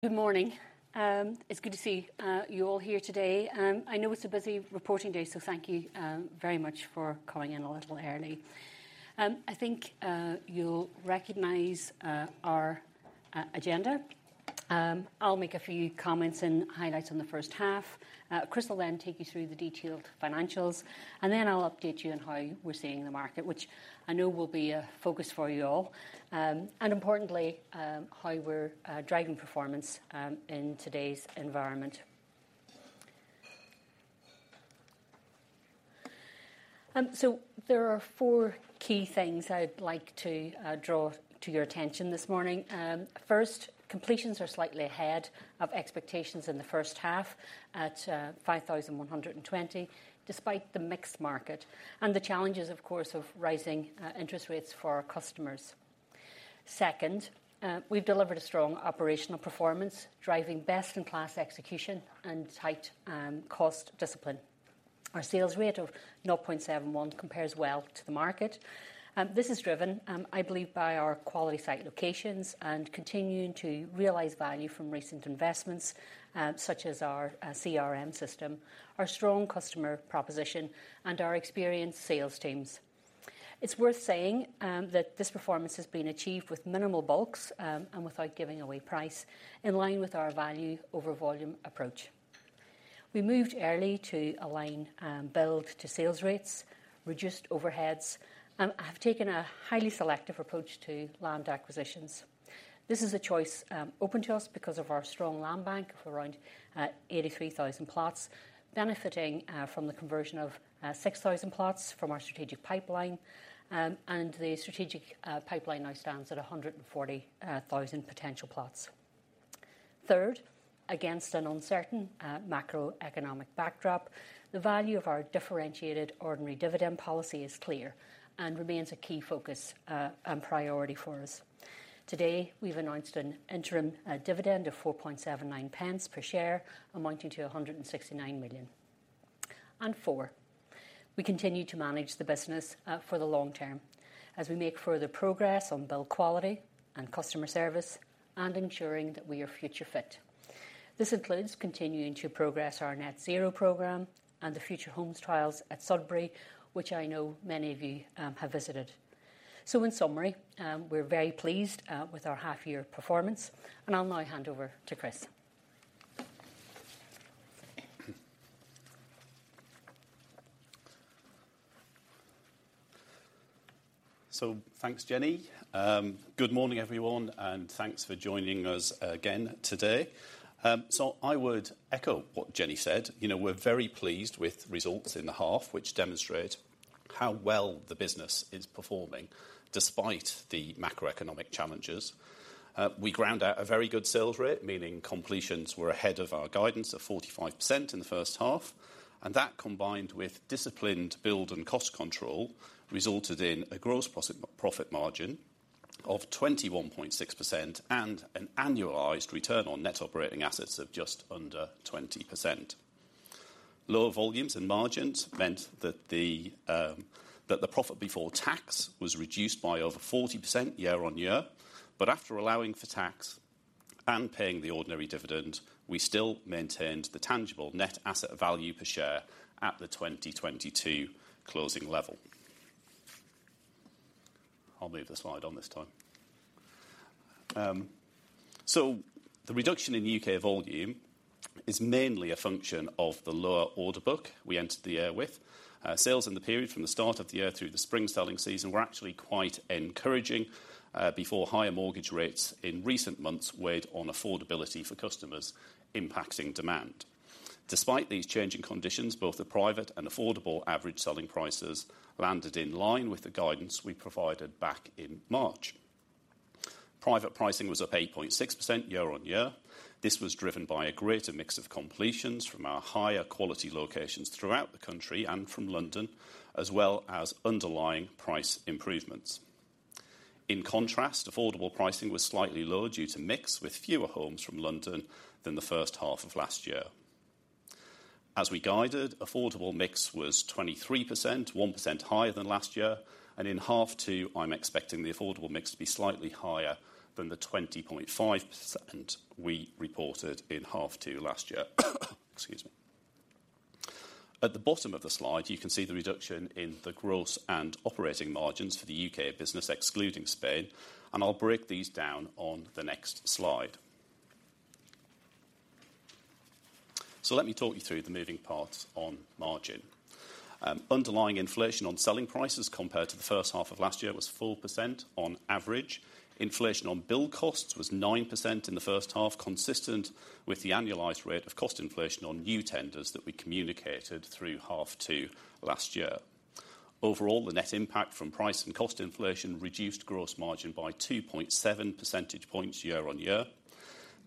Good morning. It's good to see you all here today. I know it's a busy reporting day, thank you very much for calling in a little early. I think you'll recognize our agenda. I'll make a few comments and highlights on the first half. Chris will then take you through the detailed financials, and then I'll update you on how we're seeing the market, which I know will be a focus for you all, and importantly, how we're driving performance in today's environment. There are four key things I'd like to draw to your attention this morning. First, completions are slightly ahead of expectations in the first half at 5,120, despite the mixed market and the challenges, of course, of rising interest rates for our customers. Second, we've delivered a strong operational performance, driving best-in-class execution and tight cost discipline. Our sales rate of 0.71 compares well to the market. This is driven, I believe, by our quality site locations and continuing to realize value from recent investments, such as our CRM system, our strong customer proposition, and our experienced sales teams. It's worth saying that this performance has been achieved with minimal bulks and without giving away price, in line with our value over volume approach. We moved early to align build to sales rates, reduced overheads, and have taken a highly selective approach to land acquisitions. This is a choice open to us because of our strong land bank of around 83,000 plots, benefiting from the conversion of 6,000 plots from our strategic pipeline, and the strategic pipeline now stands at 140,000 potential plots. Third, against an uncertain macroeconomic backdrop, the value of our differentiated ordinary dividend policy is clear and remains a key focus and priority for us. Today, we've announced an interim dividend of 4.79 pence per share, amounting to 169 million. Four, we continue to manage the business for the long term as we make further progress on build quality and customer service and ensuring that we are future fit. This includes continuing to progress our Net Zero program and the Future Homes trials at Sudbury, which I know many of you have visited. In summary, we're very pleased with our half year performance, and I'll now hand over to Chris. Thanks, Jenny. Good morning, everyone, and thanks for joining us again today. I would echo what Jenny said. You know, we're very pleased with results in the half, which demonstrate how well the business is performing despite the macroeconomic challenges. We ground out a very good sales rate, meaning completions were ahead of our guidance of 45% in the first half, and that, combined with disciplined build and cost control, resulted in a gross profit, profit margin of 21.6% and an annualized return on net operating assets of just under 20%. Lower volumes and margins meant that the that the profit before tax was reduced by over 40% year-on-year. After allowing for tax and paying the ordinary dividend, we still maintained the tangible net asset value per share at the 2022 closing level. I'll move the slide on this time. The reduction in UK volume is mainly a function of the lower order book we entered the year with. Sales in the period from the start of the year through the spring selling season were actually quite encouraging, before higher mortgage rates in recent months weighed on affordability for customers, impacting demand. Despite these changing conditions, both the private and affordable average selling prices landed in line with the guidance we provided back in March. Private pricing was up 8.6% year-on-year. This was driven by a greater mix of completions from our higher quality locations throughout the country and from London, as well as underlying price improvements. In contrast, affordable pricing was slightly lower due to mix, with fewer homes from London than the first half of last year. As we guided, affordable mix was 23%, 1% higher than last year. In half two, I'm expecting the affordable mix to be slightly higher than the 20.5% we reported in half two last year. Excuse me. At the bottom of the slide, you can see the reduction in the gross and operating margins for the UK business, excluding Spain. I'll break these down on the next slide. Let me talk you through the moving parts on margin. Underlying inflation on selling prices compared to the first half of last year was 4% on average. Inflation on bill costs was 9% in the first half, consistent with the annualized rate of cost inflation on new tenders that we communicated through half two last year. Overall, the net impact from price and cost inflation reduced gross margin by 2.7 percentage points year on year.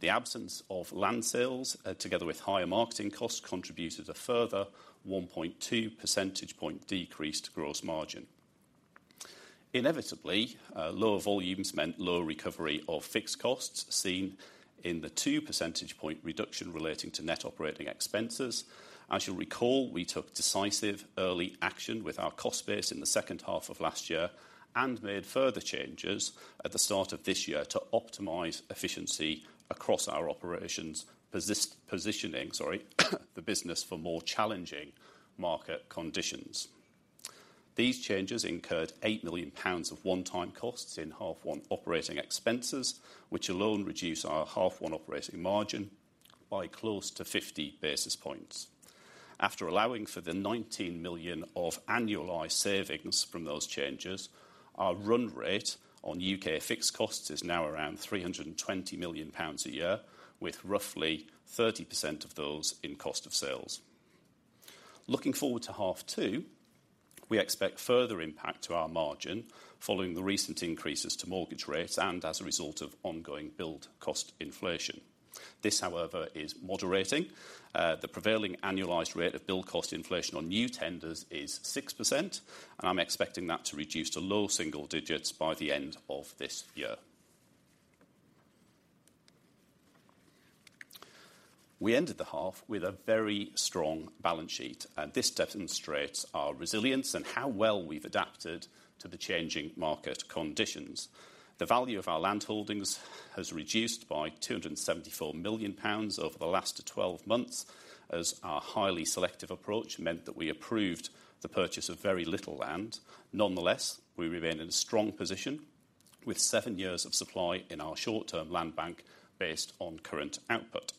The absence of land sales, together with higher marketing costs, contributed a further 1.2 percentage point decrease to gross margin. inevitably, lower volumes meant lower recovery of fixed costs, seen in the 2 percentage point reduction relating to net operating expenses. As you'll recall, we took decisive early action with our cost base in the second half of last year, and made further changes at the start of this year to optimize efficiency across our operations, positioning, sorry, the business for more challenging market conditions. These changes incurred 8 million pounds of one-time costs in H1 operating expenses, which alone reduced our H1 operating margin by close to 50 basis points. After allowing for the 19 million of annualized savings from those changes, our run rate on UK fixed costs is now around 320 million pounds a year, with roughly 30% of those in cost of sales. Looking forward to H2, we expect further impact to our margin, following the recent increases to mortgage rates and as a result of ongoing build cost inflation. This, however, is moderating. The prevailing annualized rate of build cost inflation on new tenders is 6%, and I'm expecting that to reduce to low single digits by the end of this year. We ended the half with a very strong balance sheet, and this demonstrates our resilience and how well we've adapted to the changing market conditions. The value of our landholdings has reduced by 274 million pounds over the last 12 months, as our highly selective approach meant that we approved the purchase of very little land. Nonetheless, we remain in a strong position, with 7 years of supply in our short-term land bank based on current output.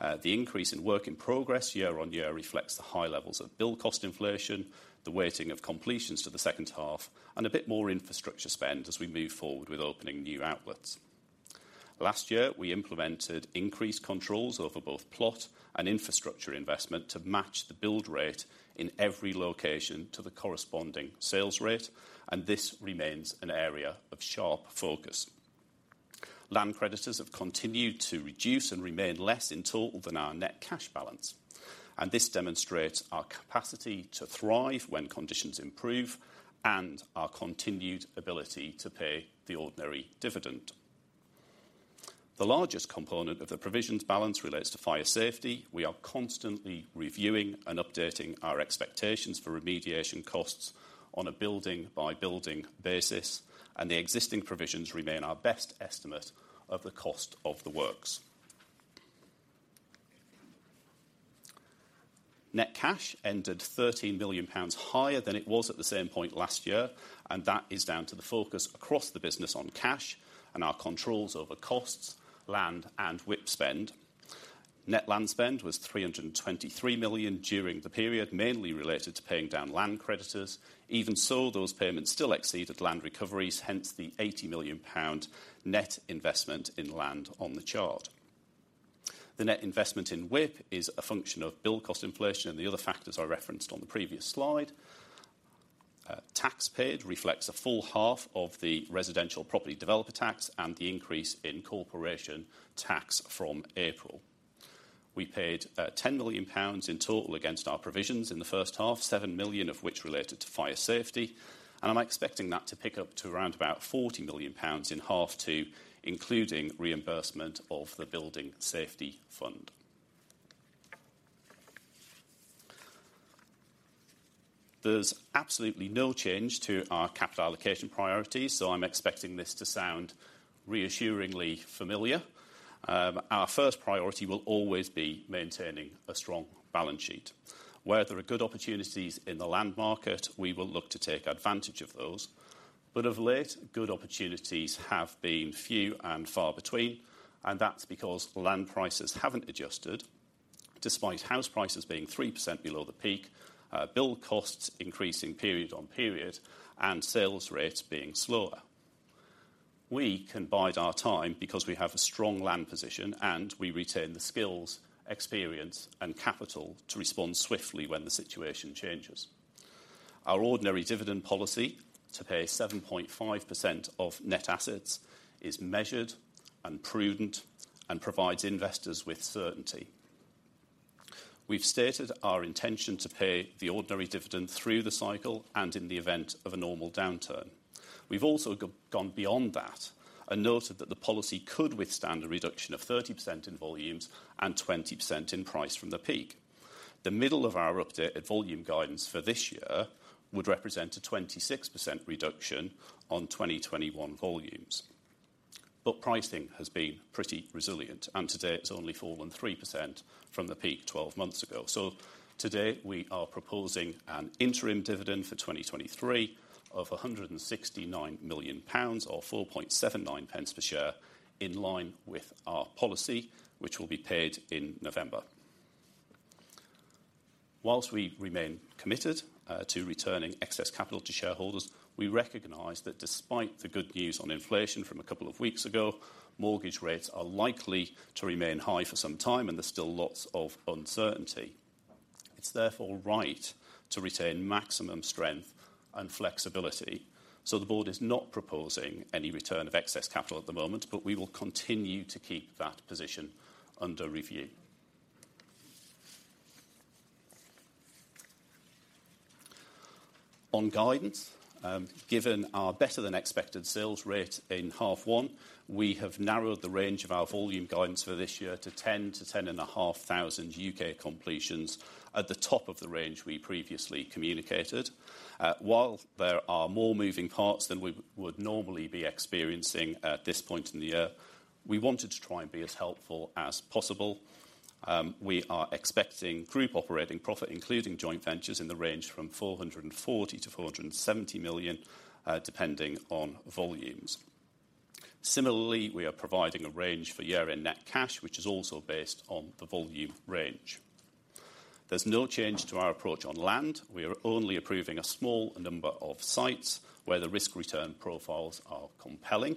The increase in work in progress year-over-year reflects the high levels of build cost inflation, the weighting of completions to the second half, and a bit more infrastructure spend as we move forward with opening new outlets. Last year, we implemented increased controls over both plot and infrastructure investment to match the build rate in every location to the corresponding sales rate, and this remains an area of sharp focus. Land creditors have continued to reduce and remain less in total than our net cash balance. This demonstrates our capacity to thrive when conditions improve and our continued ability to pay the ordinary dividend. The largest component of the provisions balance relates to fire safety. We are constantly reviewing and updating our expectations for remediation costs on a building-by-building basis. The existing provisions remain our best estimate of the cost of the works. Net cash ended GBP 13 million higher than it was at the same point last year. That is down to the focus across the business on cash and our controls over costs, land, and WIP spend. Net land spend was 323 million during the period, mainly related to paying down land creditors. Even so, those payments still exceeded land recoveries, hence the GBP 80 million net investment in land on the chart. The net investment in WIP is a function of build cost inflation and the other factors I referenced on the previous slide. Tax paid reflects a full half of the Residential Property Developer Tax and the increase in corporation tax from April. We paid 10 million pounds in total against our provisions in the first half, 7 million of which related to fire safety, and I'm expecting that to pick up to around about 40 million pounds in half 2, including reimbursement of the Building Safety Fund. There's absolutely no change to our capital allocation priorities, so I'm expecting this to sound reassuringly familiar. Our first priority will always be maintaining a strong balance sheet. Where there are good opportunities in the land market, we will look to take advantage of those. Of late, good opportunities have been few and far between. That's because land prices haven't adjusted, despite house prices being 3% below the peak, build costs increasing period on period, and sales rates being slower. We can bide our time because we have a strong land position, and we retain the skills, experience, and capital to respond swiftly when the situation changes. Our ordinary dividend policy, to pay 7.5% of net assets, is measured and prudent and provides investors with certainty. We've stated our intention to pay the ordinary dividend through the cycle and in the event of a normal downturn. We've also gone beyond that and noted that the policy could withstand a reduction of 30% in volumes and 20% in price from the peak. The middle of our updated volume guidance for this year would represent a 26% reduction on 2021 volumes. Pricing has been pretty resilient, and to date has only fallen 3% from the peak 12 months ago. Today, we are proposing an interim dividend for 2023 of 169 million pounds, or 4.79 pence per share, in line with our policy, which will be paid in November. We remain committed to returning excess capital to shareholders, we recognize that despite the good news on inflation from a couple of weeks ago, mortgage rates are likely to remain high for some time, and there's still lots of uncertainty. It's therefore right to retain maximum strength and flexibility, so the board is not proposing any return of excess capital at the moment, but we will continue to keep that position under review. On guidance, given our better than expected sales rate in half one, we have narrowed the range of our volume guidance for this year to 10-10.5 thousand UK completions at the top of the range we previously communicated. While there are more moving parts than we would normally be experiencing at this point in the year, we wanted to try and be as helpful as possible. We are expecting group operating profit, including joint ventures, in the range from 440 million-470 million, depending on volumes. Similarly, we are providing a range for year-end net cash, which is also based on the volume range. There's no change to our approach on land. We are only approving a small number of sites where the risk return profiles are compelling.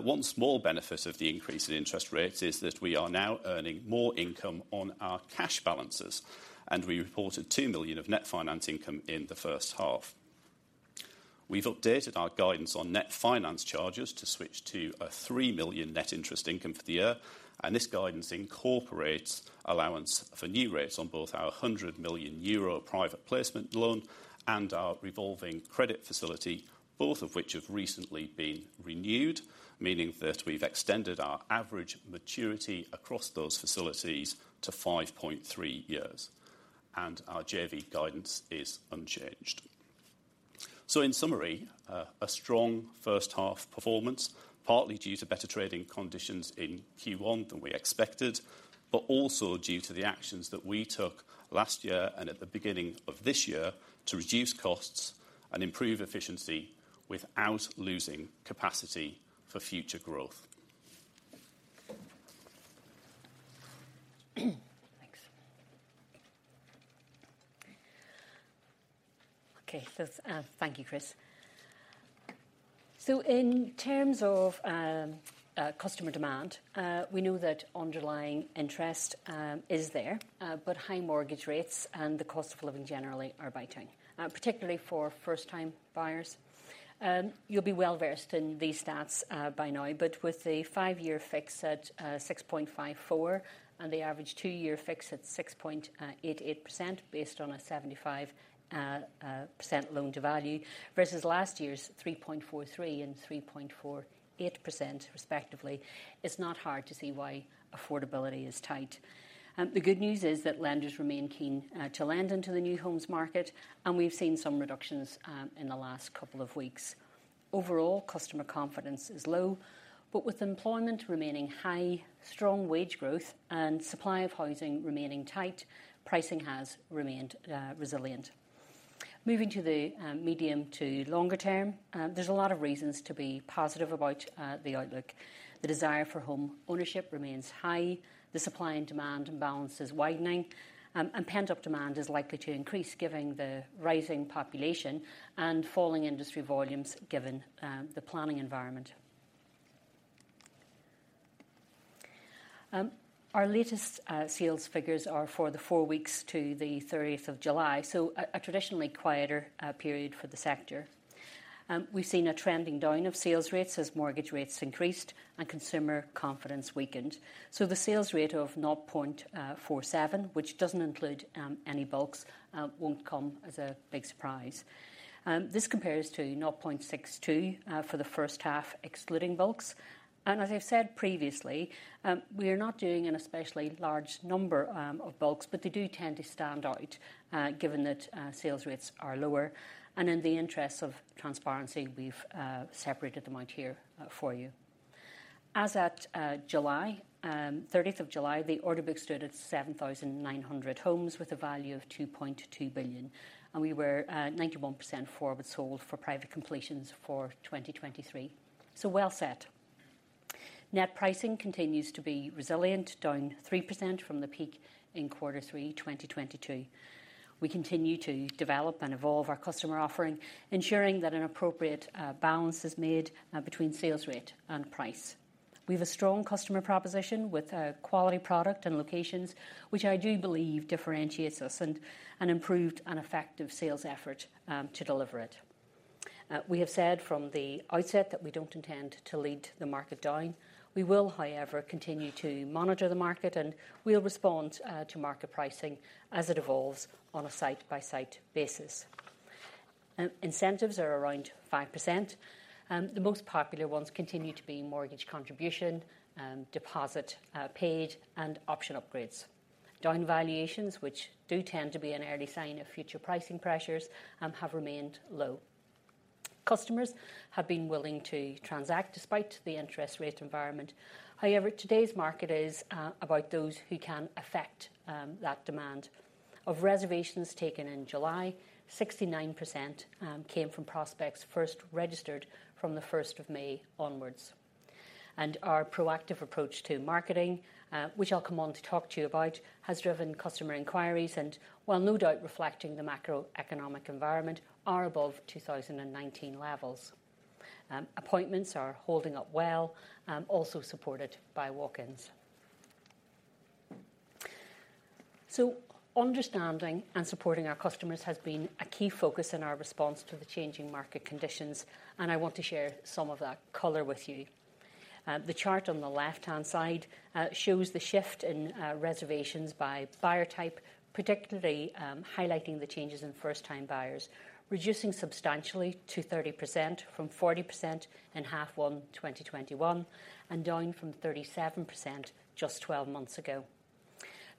One small benefit of the increase in interest rates is that we are now earning more income on our cash balances, and we reported 2 million of net finance income in the first half. We've updated our guidance on net finance charges to switch to a 3 million net interest income for the year. This guidance incorporates allowance for new rates on both our 100 million euro private placement loan and our revolving credit facility, both of which have recently been renewed. Meaning that we've extended our average maturity across those facilities to 5.3 years. Our JV guidance is unchanged. In summary, a strong first half performance, partly due to better trading conditions in Q1 than we expected, but also due to the actions that we took last year and at the beginning of this year, to reduce costs and improve efficiency without losing capacity for future growth. Thanks. Okay, thank you, Chris. In terms of customer demand, we know that underlying interest is there, but high mortgage rates and the cost of living generally are biting, particularly for first time buyers. You'll be well versed in these stats by now, but with the five-year fix at 6.54% and the average two-year fix at 6.88%, based on a 75% loan to value, versus last year's 3.43% and 3.48% respectively, it's not hard to see why affordability is tight. The good news is that lenders remain keen to lend into the new homes market, and we've seen some reductions in the last couple of weeks. Overall, customer confidence is low. With employment remaining high, strong wage growth and supply of housing remaining tight, pricing has remained resilient. Moving to the medium to longer term, there's a lot of reasons to be positive about the outlook. The desire for home ownership remains high, the supply and demand imbalance is widening, and pent-up demand is likely to increase given the rising population and falling industry volumes, given the planning environment. Our latest sales figures are for the four weeks to the 30th of July, a traditionally quieter period for the sector. We've seen a trending down of sales rates as mortgage rates increased and consumer confidence weakened. The sales rate of 0.47, which doesn't include any bulks, won't come as a big surprise. This compares to 0.62 for the first half, excluding bulks. As I've said previously, we are not doing an especially large number of bulks, but they do tend to stand out, given that sales rates are lower. In the interests of transparency, we've separated them out here for you. As at July, 30th of July, the order book stood at 7,900 homes, with a value of 2.2 billion, and we were 91% forward sold for private completions for 2023. Well set. Net pricing continues to be resilient, down 3% from the peak in quarter three, 2022. We continue to develop and evolve our customer offering, ensuring that an appropriate balance is made between sales rate and price. We have a strong customer proposition with a quality product and locations, which I do believe differentiates us, and an improved and effective sales effort to deliver it. We have said from the outset that we don't intend to lead the market down. We will, however, continue to monitor the market, and we'll respond to market pricing as it evolves on a site-by-site basis. Incentives are around 5%. The most popular ones continue to be mortgage contribution, deposit paid, and option upgrades. Down valuations, which do tend to be an early sign of future pricing pressures, have remained low. Customers have been willing to transact despite the interest rate environment. However, today's market is about those who can affect that demand. Of reservations taken in July, 69% came from prospects first registered from the 1st of May onwards. Our proactive approach to marketing, which I'll come on to talk to you about, has driven customer inquiries and, while no doubt reflecting the macroeconomic environment, are above 2019 levels. Appointments are holding up well, also supported by walk-ins. Understanding and supporting our customers has been a key focus in our response to the changing market conditions, and I want to share some of that color with you. The chart on the left-hand side shows the shift in reservations by buyer type, particularly highlighting the changes in first-time buyers, reducing substantially to 30% from 40% in half 1, 2021, and down from 37% just 12 months ago.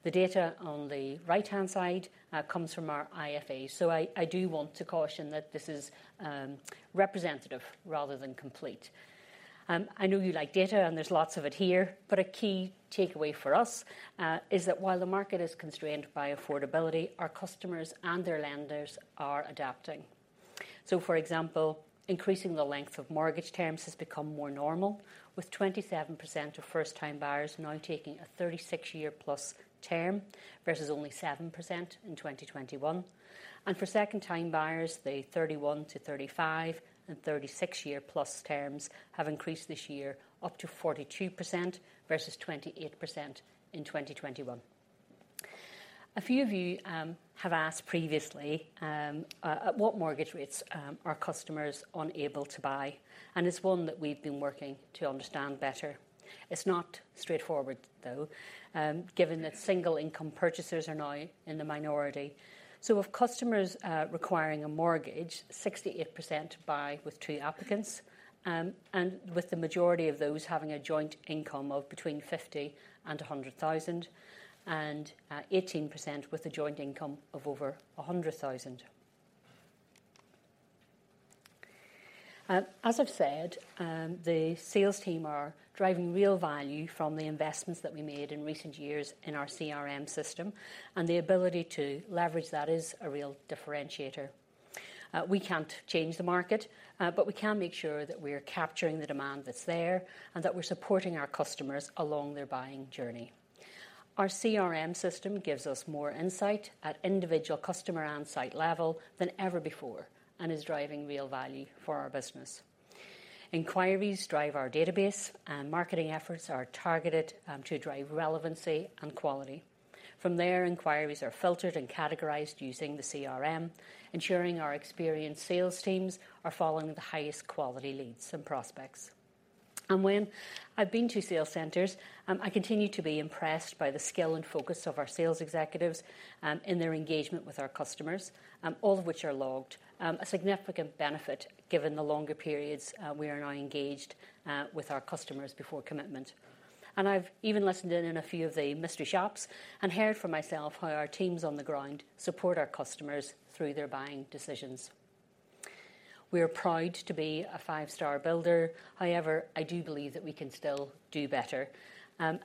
The data on the right-hand side comes from our IFA. I, I do want to caution that this is representative rather than complete. I know you like data, and there's lots of it here, but a key takeaway for us is that while the market is constrained by affordability, our customers and their lenders are adapting. For example, increasing the length of mortgage terms has become more normal, with 27% of first-time buyers now taking a 36-year plus term, versus only 7% in 2021. For second-time buyers, the 31-35 and 36-year plus terms have increased this year, up to 42% versus 28% in 2021. A few of you have asked previously, at what mortgage rates are customers unable to buy? It's one that we've been working to understand better. It's not straightforward, though, given that single income purchasers are now in the minority. Of customers requiring a mortgage, 68% buy with two applicants, and with the majority of those having a joint income of between 50,000 and 100,000, and 18% with a joint income of over 100,000. As I've said, the sales team are driving real value from the investments that we made in recent years in our CRM system, and the ability to leverage that is a real differentiator. We can't change the market, but we can make sure that we are capturing the demand that's there, and that we're supporting our customers along their buying journey. Our CRM system gives us more insight at individual customer and site level than ever before, and is driving real value for our business. Enquiries drive our database, marketing efforts are targeted to drive relevancy and quality. From there, enquiries are filtered and categorized using the CRM, ensuring our experienced sales teams are following the highest quality leads and prospects. When I've been to sales centers, I continue to be impressed by the skill and focus of our sales executives in their engagement with our customers, all of which are logged. A significant benefit given the longer periods we are now engaged with our customers before commitment. I've even listened in in a few of the mystery shops, and heard for myself how our teams on the ground support our customers through their buying decisions. We are proud to be a five-star builder. I do believe that we can still do better.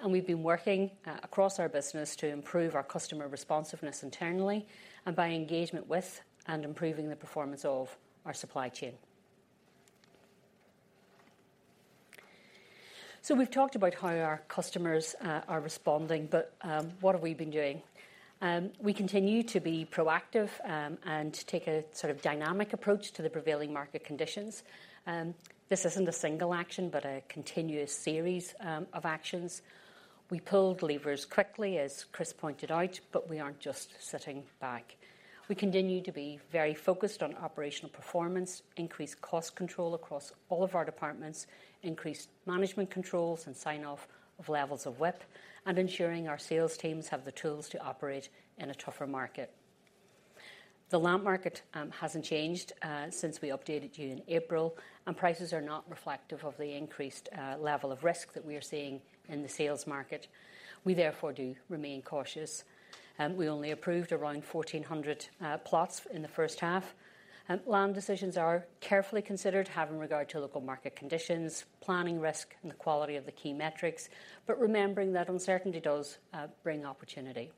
We've been working across our business to improve our customer responsiveness internally, and by engagement with and improving the performance of our supply chain. We've talked about how our customers are responding, but what have we been doing? We continue to be proactive and take a sort of dynamic approach to the prevailing market conditions. This isn't a single action, but a continuous series of actions. We pulled levers quickly, as Chris pointed out, but we aren't just sitting back. We continue to be very focused on operational performance, increased cost control across all of our departments, increased management controls and sign-off of levels of WIP, and ensuring our sales teams have the tools to operate in a tougher market. The land market hasn't changed since we updated you in April, and prices are not reflective of the increased level of risk that we are seeing in the sales market. We therefore do remain cautious. We only approved around 1,400 plots in the first half. Land decisions are carefully considered, having regard to local market conditions, planning risk, and the quality of the key metrics, but remembering that uncertainty does bring opportunity.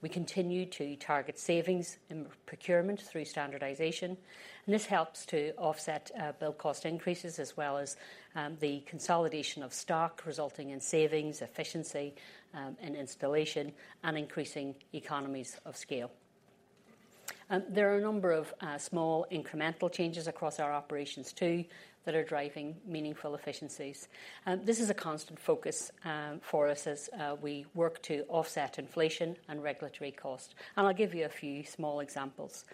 We continue to target savings in procurement through standardization, and this helps to offset build cost increases, as well as the consolidation of stock, resulting in savings, efficiency, and installation, and increasing economies of scale. There are a number of small incremental changes across our operations, too, that are driving meaningful efficiencies. This is a constant focus for us as we work to offset inflation and regulatory cost. I'll give you a few small examples.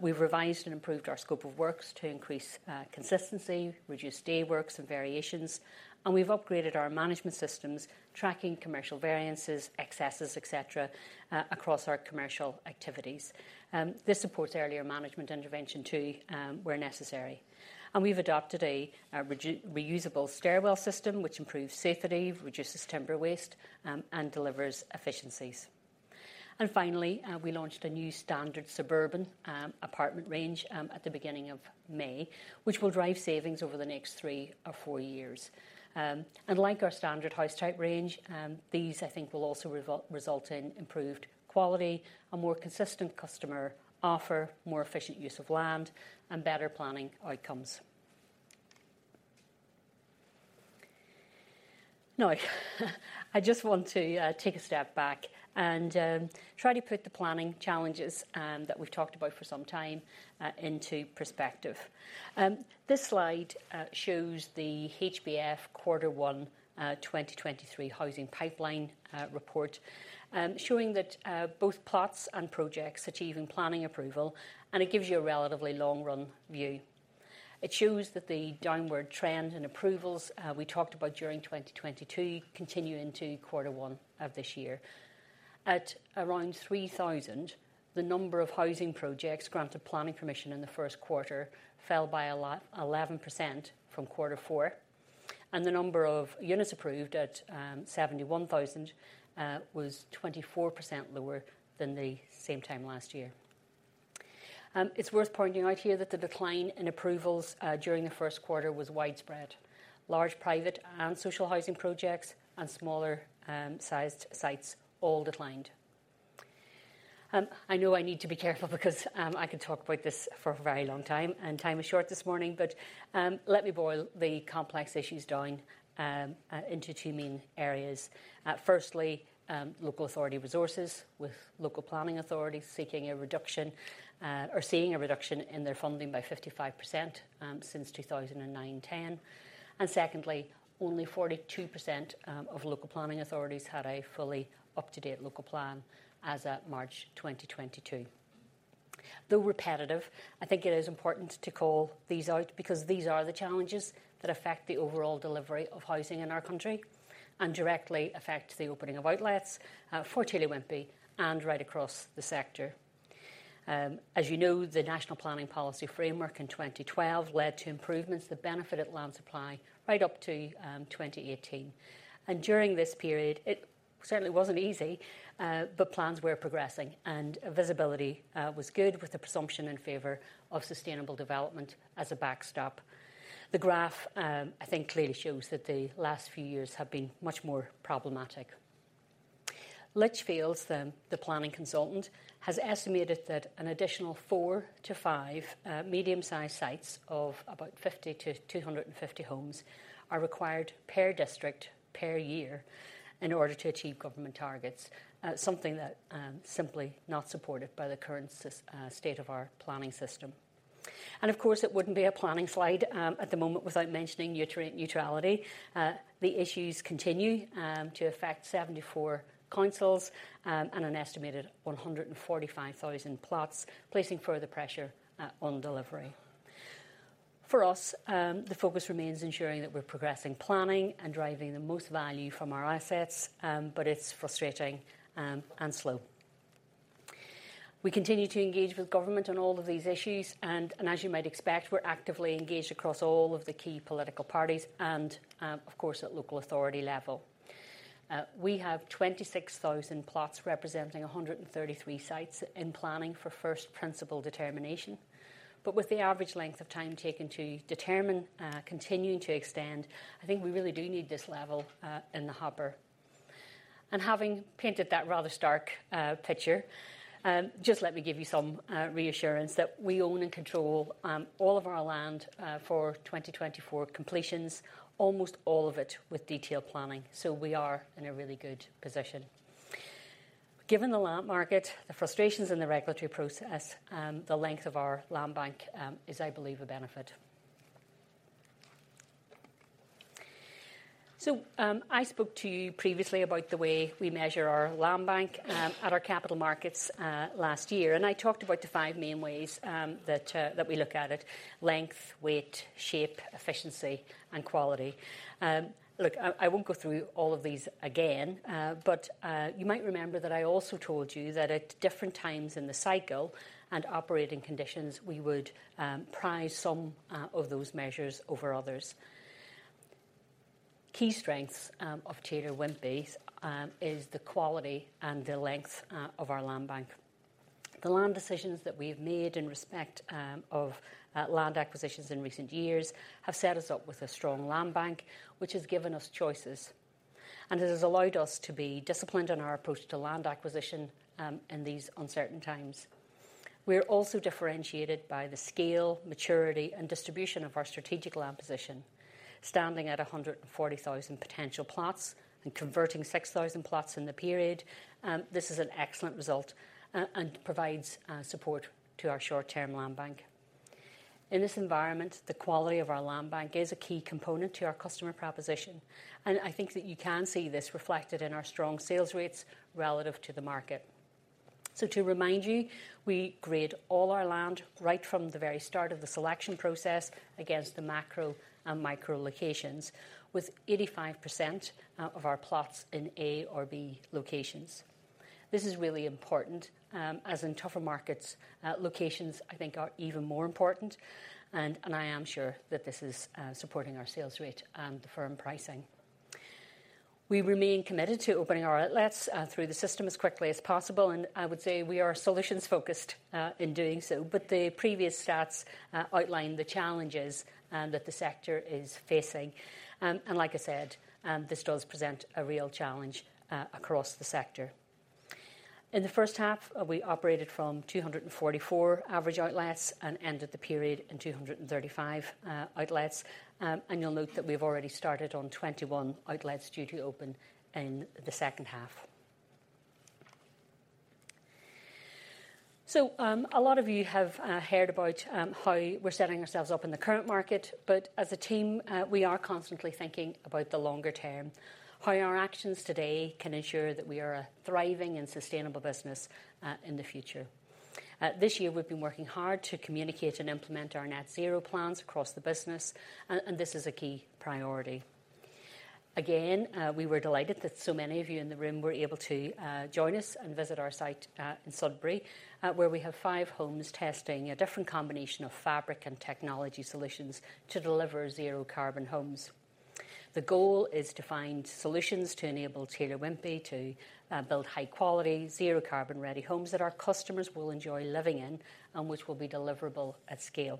We've revised and improved our scope of works to increase consistency, reduce day works and variations, we've upgraded our management systems, tracking commercial variances, excesses, et cetera, across our commercial activities. This supports earlier management intervention, too, where necessary. We've adopted a reusable stairwell system, which improves safety, reduces timber waste, and delivers efficiencies. Finally, we launched a new standard suburban apartment range at the beginning of May, which will drive savings over the next 3 or 4 years. Like our standard house type range, these, I think, will also result in improved quality, a more consistent customer offer, more efficient use of land, and better planning outcomes. I just want to take a step back and try to put the planning challenges that we've talked about for some time into perspective. This slide shows the HBF Quarter One 2023 housing pipeline report showing that both plots and projects achieving planning approval, and it gives you a relatively long-run view. It shows that the downward trend in approvals we talked about during 2022 continue into quarter one of this year. At around 3,000, the number of housing projects granted planning permission in the first quarter fell by 11% from quarter four, and the number of units approved at 71,000 was 24% lower than the same time last year. It's worth pointing out here that the decline in approvals during the first quarter was widespread. Large private and social housing projects and smaller sized sites all declined. I know I need to be careful because I could talk about this for a very long time, and time is short this morning. Let me boil the complex issues down into two main areas. Firstly, local authority resources, with local planning authorities seeking a reduction or seeing a reduction in their funding by 55% since 2009-2010. Secondly, only 42% of local planning authorities had a fully up-to-date local plan as at March 2022. Though repetitive, I think it is important to call these out, because these are the challenges that affect the overall delivery of housing in our country and directly affect the opening of outlets for Taylor Wimpey and right across the sector. As you know, the National Planning Policy Framework in 2012 led to improvements that benefited land supply right up to 2018. During this period, it certainly wasn't easy, but plans were progressing, and visibility was good, with the Presumption in Favor of Sustainable Development as a backstop. The graph, I think, clearly shows that the last few years have been much more problematic. Lichfields, the, the planning consultant, has estimated that an additional 4-5 medium-sized sites of about 50-250 homes are required per district, per year, in order to achieve government targets. Something that simply not supported by the current state of our planning system. Of course, it wouldn't be a planning slide at the moment without mentioning nutrient neutrality. The issues continue to affect 74 councils and an estimated 145,000 plots, placing further pressure on delivery. For us, the focus remains ensuring that we're progressing planning and driving the most value from our assets, it's frustrating and slow. We continue to engage with government on all of these issues, and as you might expect, we're actively engaged across all of the key political parties and of course, at local authority level. We have 26,000 plots, representing 133 sites in planning for first principle determination. With the average length of time taken to determine, continuing to extend, I think we really do need this level in the hopper. Having painted that rather stark picture, just let me give you some reassurance that we own and control all of our land for 2024 completions, almost all of it with detailed planning, so we are in a really good position. Given the land market, the frustrations in the regulatory process, the length of our land bank is, I believe, a benefit. I spoke to you previously about the way we measure our land bank at our capital markets last year. I talked about the 5 main ways that we look at it: length, weight, shape, efficiency, and quality. Look, I, I won't go through all of these again. You might remember that I also told you that at different times in the cycle and operating conditions, we would prize some of those measures over others. Key strengths of Taylor Wimpey is the quality and the length of our land bank. The land decisions that we've made in respect of land acquisitions in recent years have set us up with a strong land bank, which has given us choices, and it has allowed us to be disciplined in our approach to land acquisition in these uncertain times. We're also differentiated by the scale, maturity, and distribution of our strategic land position, standing at 140,000 potential plots and converting 6,000 plots in the period. This is an excellent result and provides support to our short-term land bank. In this environment, the quality of our land bank is a key component to our customer proposition, and I think that you can see this reflected in our strong sales rates relative to the market. To remind you, we grade all our land, right from the very start of the selection process, against the macro and micro locations, with 85% of our plots in A or B locations. This is really important, as in tougher markets, locations, I think, are even more important, and I am sure that this is supporting our sales rate and firm pricing. We remain committed to opening our outlets through the system as quickly as possible, and I would say we are solutions focused in doing so. The previous stats outline the challenges that the sector is facing. Like I said, this does present a real challenge across the sector. In the first half, we operated from 244 average outlets and ended the period in 235 outlets. You'll note that we've already started on 21 outlets due to open in the second half. A lot of you have heard about how we're setting ourselves up in the current market, but as a team, we are constantly thinking about the longer term, how our actions today can ensure that we are a thriving and sustainable business in the future. This year we've been working hard to communicate and implement our net zero plans across the business, and this is a key priority. Again, we were delighted that so many of you in the room were able to join us and visit our site in Sudbury, where we have five homes testing a different combination of fabric and technology solutions to deliver zero carbon homes. The goal is to find solutions to enable Taylor Wimpey to build high quality, zero carbon-ready homes that our customers will enjoy living in and which will be deliverable at scale.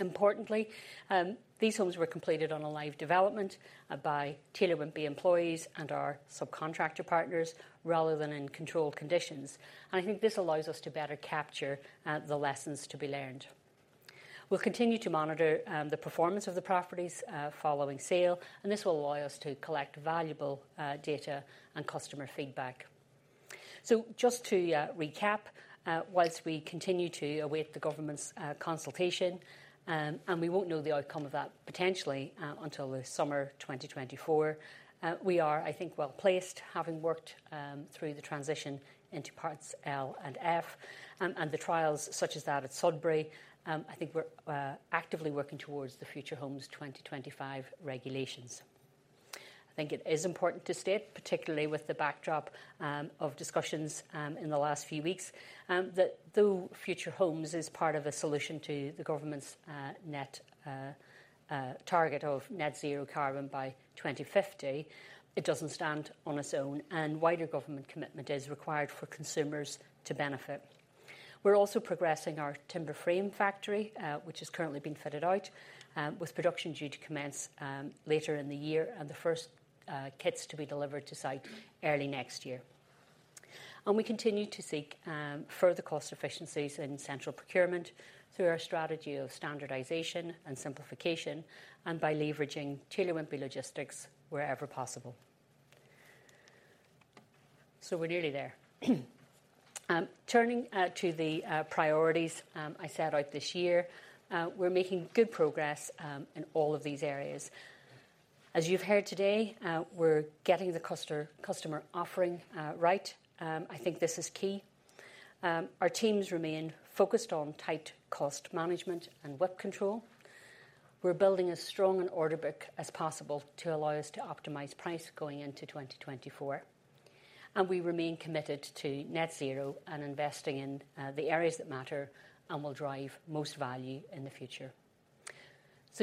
Importantly, these homes were completed on a live development by Taylor Wimpey employees and our subcontractor partners, rather than in controlled conditions, and I think this allows us to better capture the lessons to be learned. We'll continue to monitor the performance of the properties following sale, and this will allow us to collect valuable data and customer feedback. Just to recap, whilst we continue to await the government's consultation, and we won't know the outcome of that potentially until the summer 2024. We are, I think, well placed, having worked through the transition into Part L and Part F, and the trials such as that at Sudbury. I think we're actively working towards the Future Homes 2025 regulations. I think it is important to state, particularly with the backdrop of discussions in the last few weeks, that though Future Homes is part of a solution to the government's target of net zero carbon by 2050, it doesn't stand on its own, and wider government commitment is required for consumers to benefit. We're also progressing our timber frame factory, which is currently being fitted out, with production due to commence later in the year and the first kits to be delivered to site early next year. We continue to seek further cost efficiencies in central procurement through our strategy of standardization and simplification, and by leveraging Taylor Wimpey Logistics wherever possible. We're nearly there. Turning to the priorities I set out this year, we're making good progress in all of these areas. As you've heard today, we're getting the customer offering right. I think this is key. Our teams remain focused on tight cost management and WIP control. We're building as strong an order book as possible to allow us to optimize price going into 2024, and we remain committed to Net Zero and investing in the areas that matter and will drive most value in the future.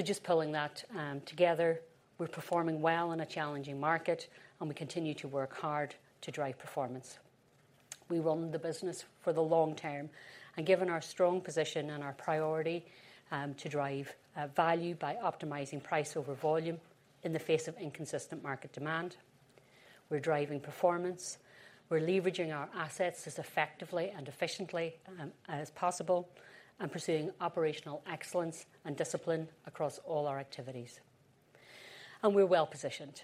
Just pulling that together, we're performing well in a challenging market, and we continue to work hard to drive performance. We run the business for the long term. Given our strong position and our priority to drive value by optimizing price over volume in the face of inconsistent market demand, we're driving performance, we're leveraging our assets as effectively and efficiently as possible, pursuing operational excellence and discipline across all our activities. We're well positioned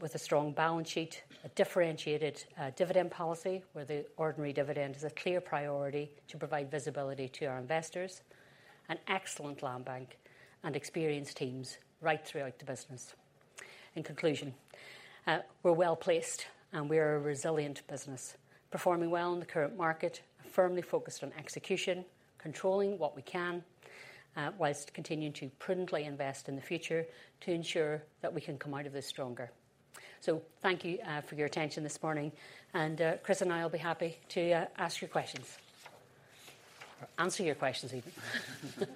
with a strong balance sheet, a differentiated dividend policy, where the ordinary dividend is a clear priority to provide visibility to our investors, an excellent land bank, and experienced teams right throughout the business. In conclusion, we're well placed, we are a resilient business, performing well in the current market, firmly focused on execution, controlling what we can, while continuing to prudently invest in the future to ensure that we can come out of this stronger. Thank you, for your attention this morning, and, Chris and I will be happy to, ask your questions. Answer your questions even.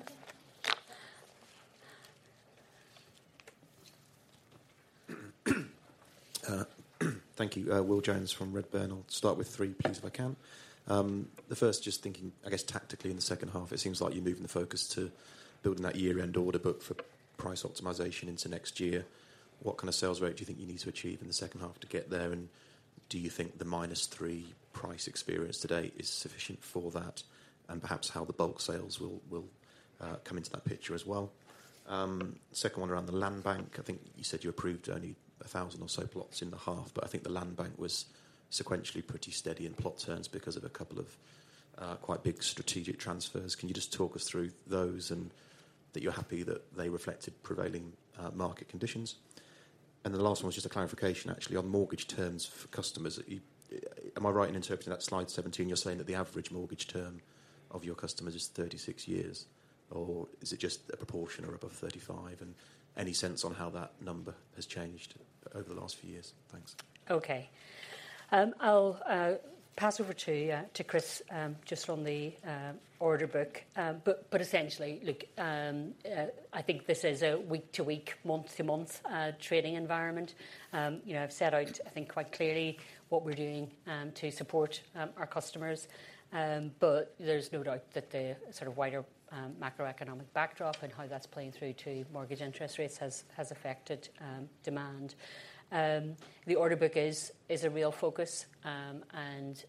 Thank you. Will Jones from Redburn. I'll start with 3, please, if I can. The first, just thinking, I guess tactically in the second half, it seems like you're moving the focus to building that year-end order book for price optimization into next year. What kind of sales rate do you think you need to achieve in the second half to get there? Do you think the -3 price experience today is sufficient for that, and perhaps how the bulk sales will, will come into that picture as well? Second one around the land bank. I think you said you approved only 1,000 or so plots in the half, but I think the land bank was sequentially pretty steady in plot terms because of a couple of quite big strategic transfers. Can you just talk us through those, and that you're happy that they reflected prevailing, market conditions? Then the last one was just a clarification, actually, on mortgage terms for customers. You... Am I right in interpreting that slide 17, you're saying that the average mortgage term of your customers is 36 years, or is it just a proportion or above 35? Any sense on how that number has changed over the last few years? Thanks. Okay. I'll pass over to Chris, just on the order book. Essentially, look, I think this is a week-to-week, month-to-month trading environment. You know, I've set out, I think, quite clearly what we're doing to support our customers. There's no doubt that the sort of wider macroeconomic backdrop and how that's playing through to mortgage interest rates has, has affected demand. The order book is a real focus, and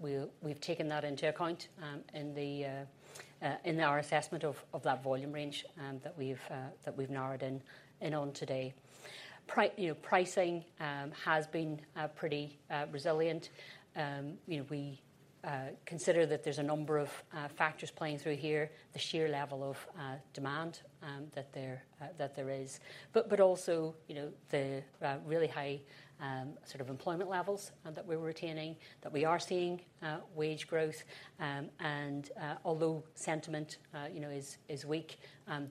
we've taken that into account in our assessment of that volume range that we've narrowed in on today. You know, pricing has been pretty resilient. you know, we consider that there's a number of factors playing through here, the sheer level of demand that there that there is, but, but also, you know, the really high sort of employment levels that we're retaining, that we are seeing wage growth. Although sentiment, you know, is, is weak,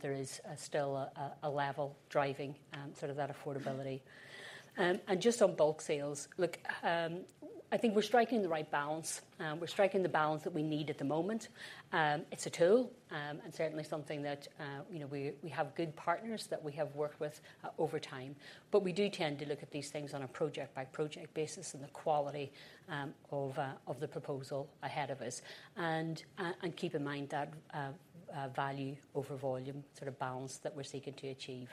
there is still a level driving sort of that affordability. Just on bulk sales, look, I think we're striking the right balance, we're striking the balance that we need at the moment. It's a tool, and certainly something that, you know, we have good partners that we have worked with over time. We do tend to look at these things on a project-by-project basis and the quality of the proposal ahead of us. Keep in mind that value over volume sort of balance that we're seeking to achieve.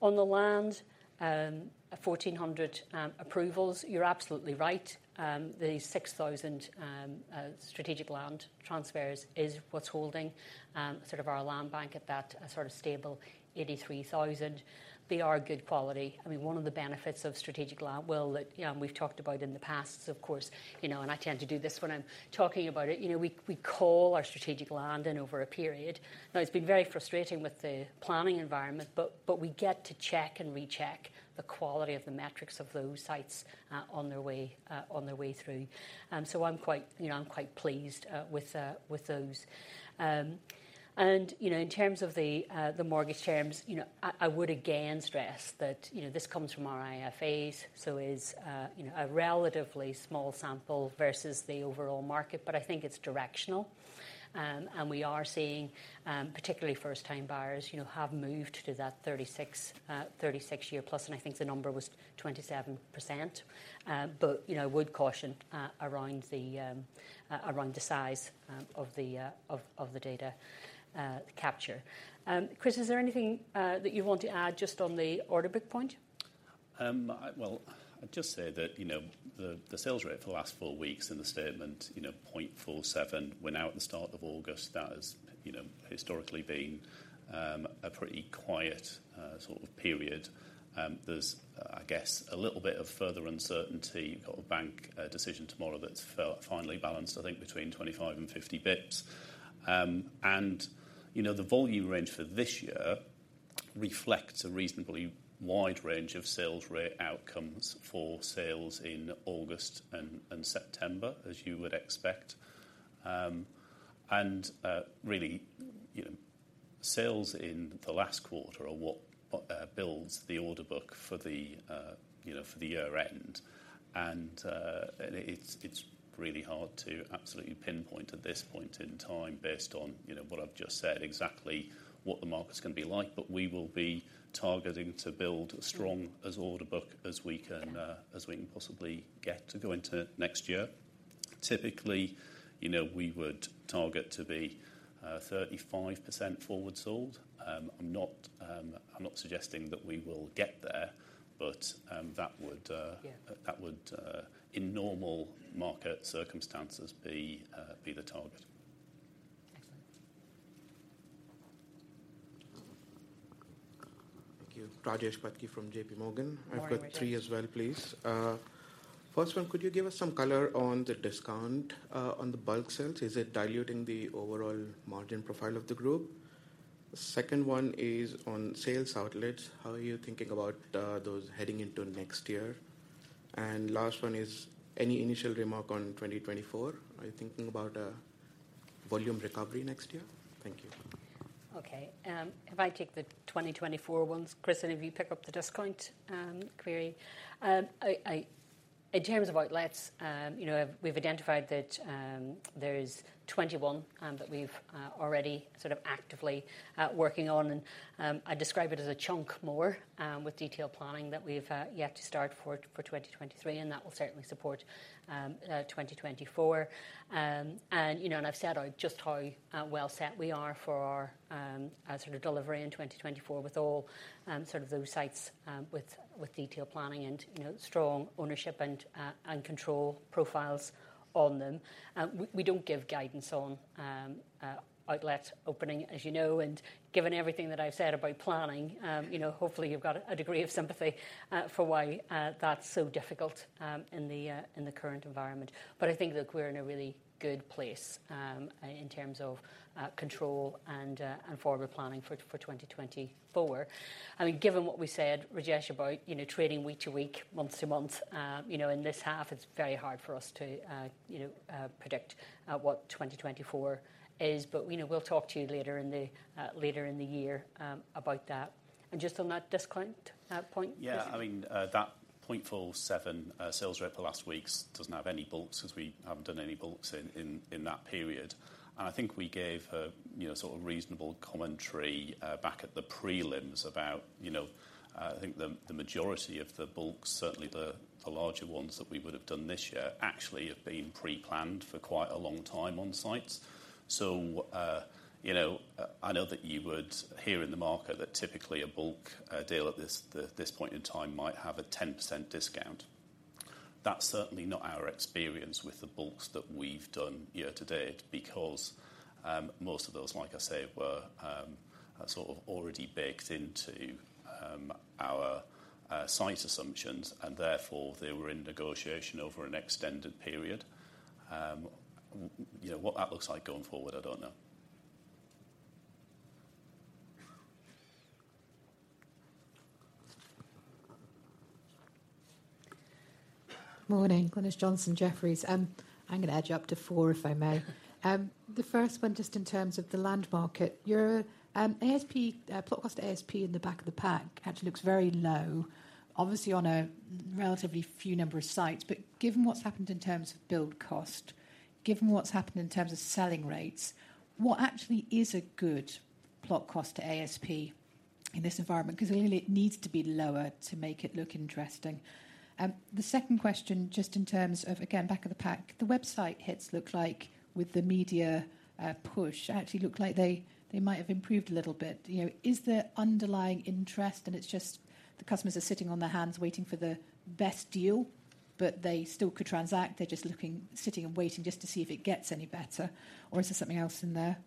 On the land, 1,400 approvals, you're absolutely right. The 6,000 strategic land transfers is what's holding sort of our land bank at that sort of stable 83,000. They are good quality. I mean, one of the benefits of strategic land, well, that, you know, and we've talked about in the past is, of course, you know, and I tend to do this when I'm talking about it, you know, we, we call our strategic land in over a period. It's been very frustrating with the planning environment, but we get to check and recheck the quality of the metrics of those sites on their way on their way through. I'm quite, you know, I'm quite pleased with those. You know, in terms of the mortgage terms, you know, I, I would again stress that, you know, this comes from our IFA, so is, you know, a relatively small sample versus the overall market. I think it's directional. We are seeing, particularly first-time buyers, you know, have moved to that 36 year plus, and I think the number was 27%. You know, I would caution around the size of the data capture. Chris, is there anything that you want to add just on the order book point? I... Well, I'd just say that, you know, the, the sales rate for the last four weeks in the statement, you know, 0.47, we're now at the start of August. That has, you know, historically been a pretty quiet sort of period. There's, I guess, a little bit of further uncertainty. You've got a bank decision tomorrow that's finally balanced, I think, between 25 and 50 bps. You know, the volume range for this year reflects a reasonably wide range of sales rate outcomes for sales in August and September, as you would expect. Really, you know, sales in the last quarter are what builds the order book for the, you know, for the year end. It's, it's really hard to absolutely pinpoint at this point in time based on, you know, what I've just said, exactly what the market's gonna be like. But we will be targeting to build as strong as order book as we can, as we can possibly get to go into next year. Typically, you know, we would target to be, 35% forward sold. I'm not, I'm not suggesting that we will get there, but, that would- Yeah... that would, in normal market circumstances, be, be the target. Excellent. Thank you. Rajesh Patki from JP Morgan. Morning, Rajesh. I've got 3 as well, please. First one, could you give us some color on the discount, on the bulk sales? Is it diluting the overall margin profile of the group? Second one is on sales outlets. How are you thinking about, those heading into next year? Last one is, any initial remark on 2024? Are you thinking about a volume recovery next year? Thank you. Okay, if I take the 2024 ones, Chris, if you pick up the discount query. I, I, in terms of outlets, you know, we've identified that there's 21 that we've already sort of actively working on. I describe it as a chunk more with detailed planning that we've yet to start for, for 2023, that will certainly support 2024. You know, I've said on just how well set we are for our sort of delivery in 2024, with all sort of those sites with, with detailed planning and, you know, strong ownership and control profiles on them. We, we don't give guidance on outlet opening, as you know, and given everything that I've said about planning, you know, hopefully you've got a degree of sympathy for why that's so difficult in the current environment. But I think that we're in a really good place in terms of control and forward planning for 2024. I mean, given what we said, Rajesh, about, you know, trading week to week, month to month, you know, in this half, it's very hard for us to, you know, predict what 2024 is. But, you know, we'll talk to you later in the later in the year about that. And just on that discount point, Chris? Yeah. I mean, that 0.47 sales rate for the last weeks doesn't have any bulks, as we haven't done any bulks in, in, in that period. I think we gave a, you know, sort of reasonable commentary back at the prelims about, you know, I think the, the majority of the bulks, certainly the, the larger ones that we would've done this year, actually have been pre-planned for quite a long time on sites. You know, I know that you would hear in the market that typically a bulk deal at this, the, this point in time might have a 10% discount. That's certainly not our experience with the bulks that we've done year to date, because, most of those, like I say, were, sort of already baked into, our, site assumptions, and therefore, they were in negotiation over an extended period. you know, what that looks like going forward, I don't know. Morning, Glynis Johnson, Jefferies. I'm gonna edge up to 4, if I may. The first one, just in terms of the land market. Your ASP, plot cost ASP in the back of the pack actually looks very low, obviously on a relatively few number of sites. Given what's happened in terms of build cost, given what's happened in terms of selling rates, what actually is a good plot cost to ASP in this environment? 'Cause clearly it needs to be lower to make it look interesting. The second question, just in terms of, again, back of the pack, the website hits look like with the media push, actually look like they, they might have improved a little bit. You know, is there underlying interest, and it's just the customers are sitting on their hands waiting for the best deal, but they still could transact, they're just looking, sitting and waiting just to see if it gets any better, or is there something else in there?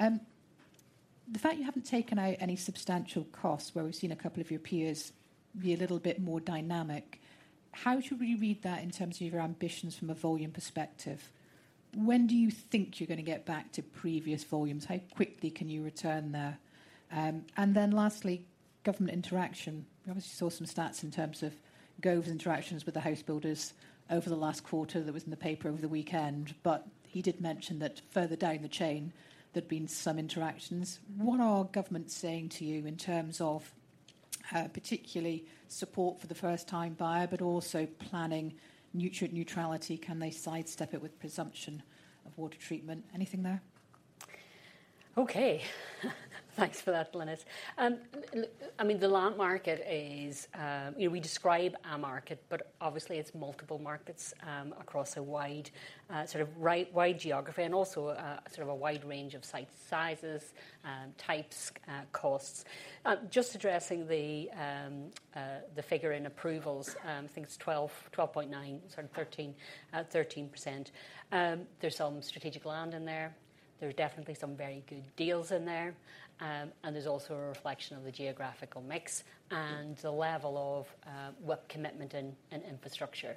The fact you haven't taken out any substantial costs, where we've seen a couple of your peers be a little bit more dynamic, how should we read that in terms of your ambitions from a volume perspective? When do you think you're going to get back to previous volumes? How quickly can you return there? Then lastly, government interaction. We obviously saw some stats in terms of Gove's interactions with the house builders over the last quarter. That was in the paper over the weekend. He did mention that further down the chain, there'd been some interactions. What are government saying to you in terms of, particularly support for the first-time buyer, but also planning nutrient neutrality? Can they sidestep it with presumption of water treatment? Anything there? Okay, thanks for that, Glynis. I mean, the land market is, you know, we describe our market, but obviously it's multiple markets, across a wide, sort of wide geography and also, sort of a wide range of site sizes, types, costs. Just addressing the figure in approvals, I think it's 12, 12.9, sorry, 13, 13%. There's some strategic land in there. There's definitely some very good deals in there. There's also a reflection of the geographical mix and the level of work commitment and infrastructure.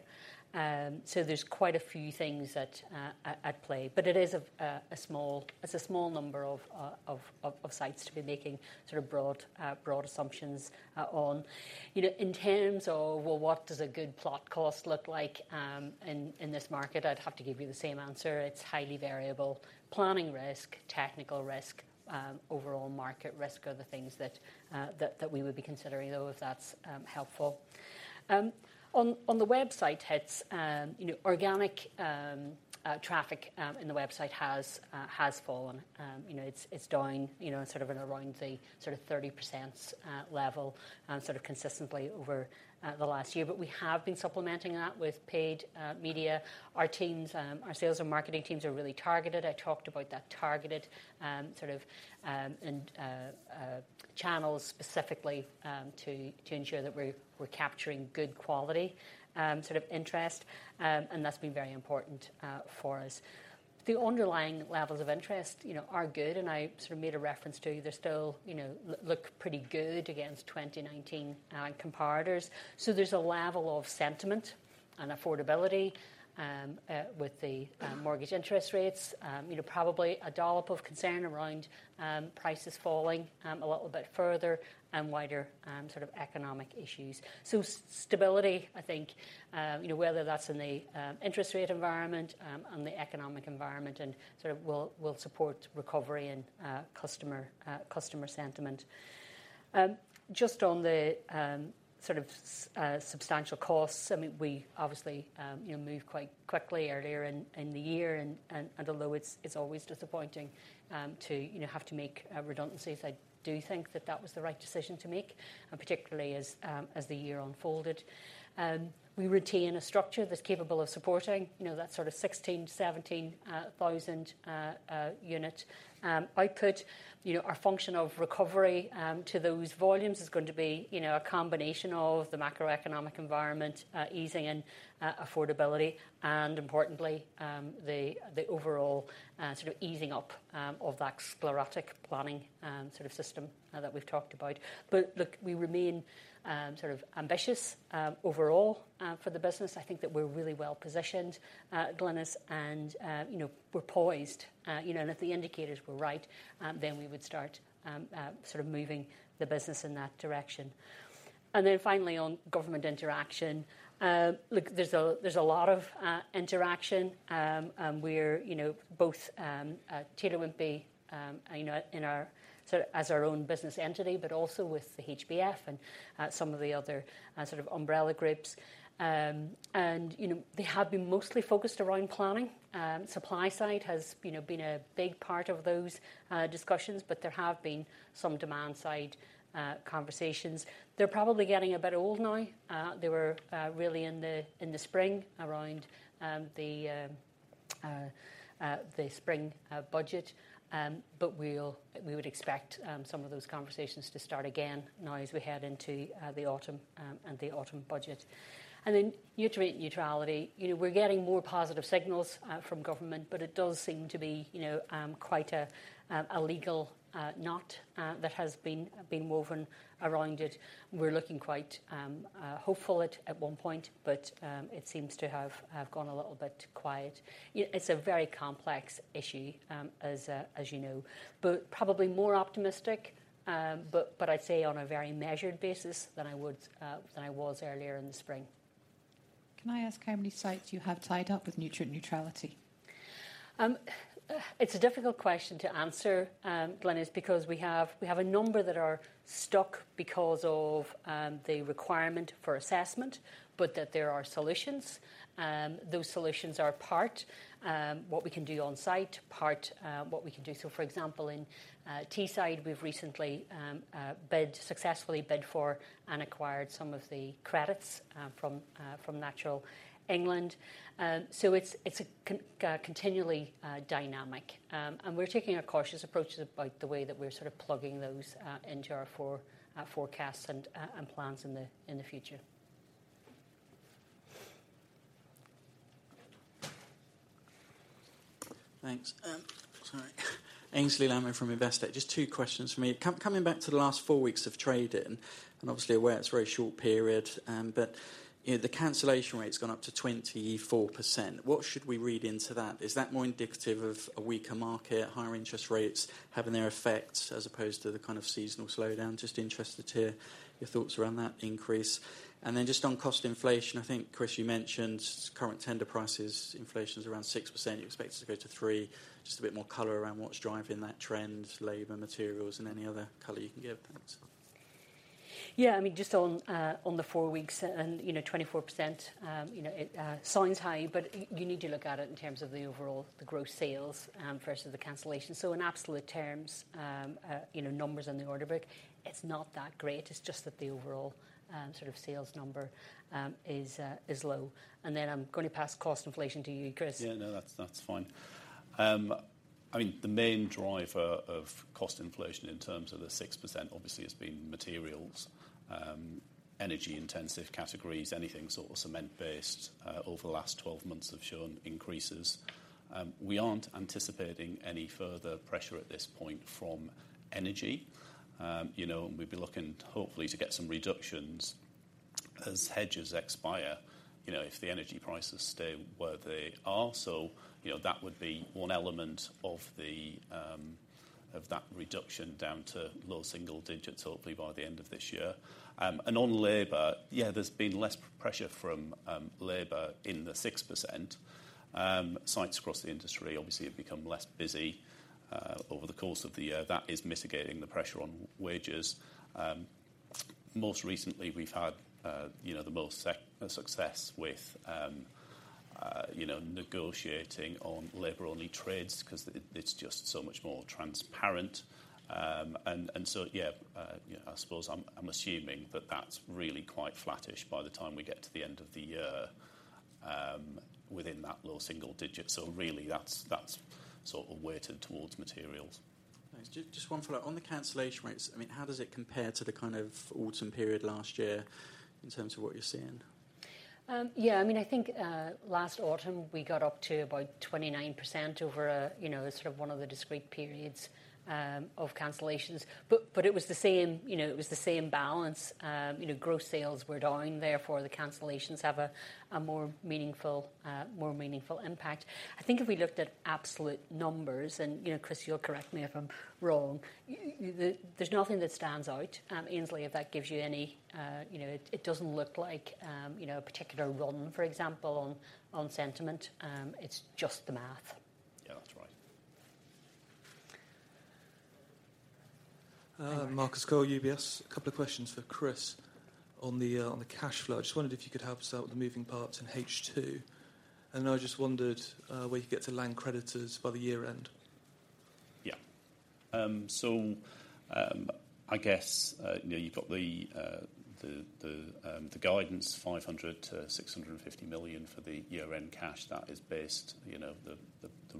There's quite a few things that at play, but it is a small, it's a small number of, of, of, of sites to be making sort of broad, broad assumptions, on. You know, in terms of, well, what does a good plot cost look like in this market? I'd have to give you the same answer. It's highly variable. Planning risk, technical risk, overall market risk are the things that, that, that we would be considering, though, if that's helpful. On, on the website hits, you know, organic traffic in the website has fallen. You know, it's, it's down, you know, sort of around the sort of 30% level, sort of consistently over the last year. We have been supplementing that with paid media. Our teams, our sales and marketing teams are really targeted. I talked about that targeted, sort of, and channels specifically, to, to ensure that we're, we're capturing good quality, sort of interest. That's been very important for us. The underlying levels of interest, you know, are good, and I sort of made a reference to you. They're still, you know, look pretty good against 2019 comparators. There's a level of sentiment and affordability with the mortgage interest rates. You know, probably a dollop of concern around prices falling a little bit further and wider, sort of economic issues. Stability, I think, you know, whether that's in the interest rate environment, and the economic environment, and sort of will, will support recovery and customer, customer sentiment. Just on the sort of substantial costs, I mean, we obviously, you know, moved quite quickly earlier in the year. Although it's always disappointing, to, you know, have to make redundancies, I do think that that was the right decision to make, and particularly as the year unfolded. We retain a structure that's capable of supporting, you know, that sort of 16, 17 unit output. You know, our function of recovery to those volumes is going to be, you know, a combination of the macroeconomic environment easing and affordability, and importantly, the overall sort of easing up of that sclerotic planning sort of system that we've talked about. Look, we remain sort of ambitious overall for the business. I think that we're really well positioned, Glynis, and, you know, we're poised. You know, and if the indicators were right, then we would start sort of moving the business in that direction. Then finally, on government interaction, look, there's a, there's a lot of interaction. We're, you know, both Taylor Wimpey, you know, in our sort of as our own business entity, but also with the HBF and some of the other sort of umbrella groups. You know, they have been mostly focused around planning. Supply side has, you know, been a big part of those discussions, but there have been some demand-side conversations. They're probably getting a bit old now. They were really in the, in the spring, around the, the spring budget. But we would expect some of those conversations to start again now as we head into the autumn, and the autumn budget. Then Nutrient Neutrality. You know, we're getting more positive signals from government, but it does seem to be, you know, quite a legal knot that has been, been woven around it. We're looking quite hopeful at, at one point, but it seems to have, have gone a little bit quiet. It's a very complex issue, as you know, but probably more optimistic, but, but I'd say on a very measured basis than I would, than I was earlier in the spring. Can I ask how many sites you have tied up with nutrient neutrality? It's a difficult question to answer, Glynis, because we have, we have a number that are stuck because of the requirement for assessment, but that there are solutions. Those solutions are part, what we can do on site, part, what we can do. For example, in Teesside, we've recently bid, successfully bid for and acquired some of the credits from from Natural England. It's, it's continually dynamic. We're taking a cautious approach about the way that we're sort of plugging those into our forecasts and plans in the in the future. Thanks. Sorry. Aynsley Lammin from Investec. Just two questions from me. Coming back to the last four weeks of trading, and obviously, aware it's a very short period, but, you know, the cancellation rate's gone up to 24%. What should we read into that? Is that more indicative of a weaker market, higher interest rates having their effects, as opposed to the kind of seasonal slowdown? Just interested to hear your thoughts around that increase. Just on cost inflation, I think, Chris, you mentioned current tender prices, inflation's around 6%. You expect it to go to 3%. Just a bit more color around what's driving that trend, labor, materials, and any other color you can give. Thanks. Yeah, I mean, just on, on the four weeks and, you know, 24%, you know, it sounds high, but you need to look at it in terms of the overall, the gross sales, versus the cancellation. In absolute terms, you know, numbers on the order book, it's not that great. It's just that the overall, sort of sales number, is low. Then I'm going to pass cost inflation to you, Chris. Yeah, no, that's, that's fine. I mean, the main driver of cost inflation in terms of the 6% obviously has been materials. Energy intensive categories, anything sort of cement-based, over the last 12 months have shown increases. We aren't anticipating any further pressure at this point from energy. You know, we'd be looking, hopefully, to get some reductions as hedges expire, you know, if the energy prices stay where they are. You know, that would be one element of the reduction down to low single digits, hopefully by the end of this year. On labor, yeah, there's been less pressure from labor in the 6%. Sites across the industry, obviously, have become less busy over the course of the year. That is mitigating the pressure on w- wages. Most recently, we've had, you know, the most success with, you know, negotiating on labor only trades, 'cause it, it's just so much more transparent. and so yeah, you know, I suppose I'm, I'm assuming that that's really quite flattish by the time we get to the end of the year, within that low single digit. really, that's, that's sort of weighted towards materials. Thanks. Just, just 1 follow-up. On the cancellation rates, I mean, how does it compare to the kind of autumn period last year in terms of what you're seeing? Yeah, I mean, I think, last autumn, we got up to about 29% over a, you know, a sort of one of the discrete periods, of cancellations. But it was the same, you know, it was the same balance. You know, gross sales were down, therefore, the cancellations have a more meaningful, more meaningful impact. I think if we looked at absolute numbers, and, you know, Chris, you'll correct me if I'm wrong, there's nothing that stands out. Aynsley, if that gives you any. You know, it, it doesn't look like, you know, a particular run, for example, on, on sentiment. It's just the math. Yeah, that's right. Marcus Cole, UBS. Two questions for Chris on the cash flow. I just wondered if you could help us out with the moving parts in H2, and then I just wondered, where you get to land creditors by the year end? Yeah. I guess, you know, you've got the guidance, 500 million-650 million for the year-end cash. That is based, you know, the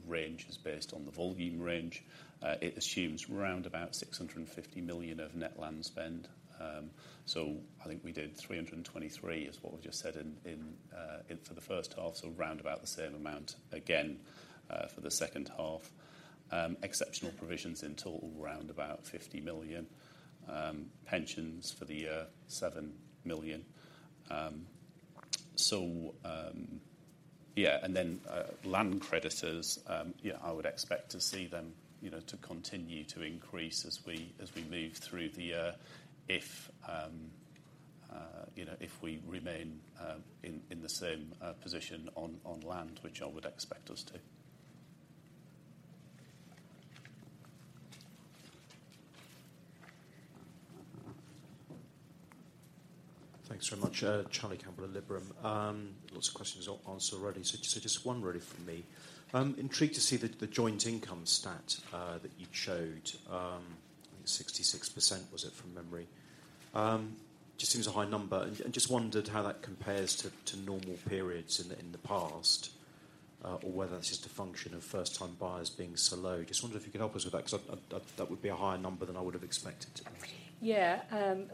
range is based on the volume range. It assumes round about 650 million of net land spend. I think we did 323 million, is what we just said in for the first half, so round about the same amount again for the second half. Exceptional provisions in total, round about 50 million. Pensions for the year, 7 million. Land creditors, I would expect to see them, you know, to continue to increase as we, as we move through the year, if, you know, if we remain in the same position on land, which I would expect us to. Thanks very much. Charlie Campbell at Liberum. Lots of questions are answered already, so just, just one really from me. I'm intrigued to see the, the joint income stat that you showed. I think 66% was it, from memory. Just seems a high number, and, and just wondered how that compares to, to normal periods in the, in the past, or whether that's just a function of first-time buyers being so low. Just wondered if you could help us with that, 'cause that, that, that would be a higher number than I would have expected to be. Yeah,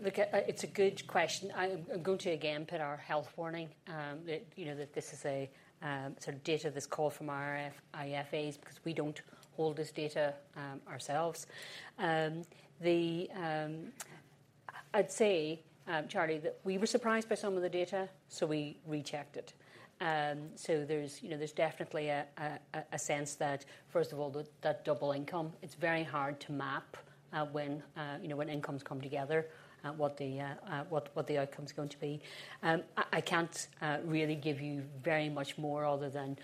look, it's a good question. I'm going to again, put our health warning, that, you know, that this is a, sort of data that's called from our IFA, because we don't hold this data, ourselves. The. I'd say, Charlie, that we were surprised by some of the data, so we rechecked it. There's, you know, there's definitely a, a, a sense that, first of all, the, that double income, it's very hard to map, when, you know, when incomes come together, what the, what, what the outcome's going to be. I, I can't, really give you very much more other than,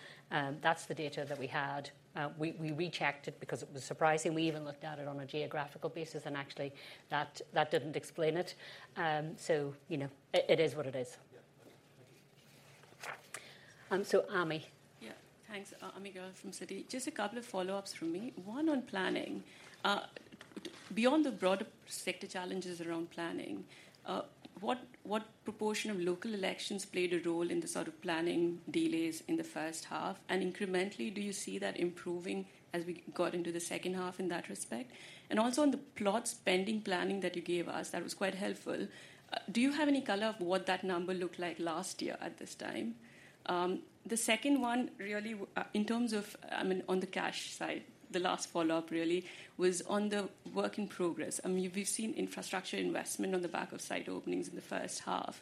that's the data that we had. We, we rechecked it because it was surprising. We even looked at it on a geographical basis, and actually, that, that didn't explain it. You know, it, it is what it is. Yeah, thank you. Ami? Yeah. Thanks. Ami Galla from Citi. Just a couple of follow-ups from me. One on planning. Beyond the broader sector challenges around planning, what, what proportion of local elections played a role in the sort of planning delays in the first half? Incrementally, do you see that improving as we got into the second half in that respect? Also, on the plot spending planning that you gave us, that was quite helpful, do you have any color of what that number looked like last year at this time? The second one, really, in terms of, I mean, on the cash side, the last follow-up really, was on the work in progress. I mean, we've seen infrastructure investment on the back of site openings in the first half.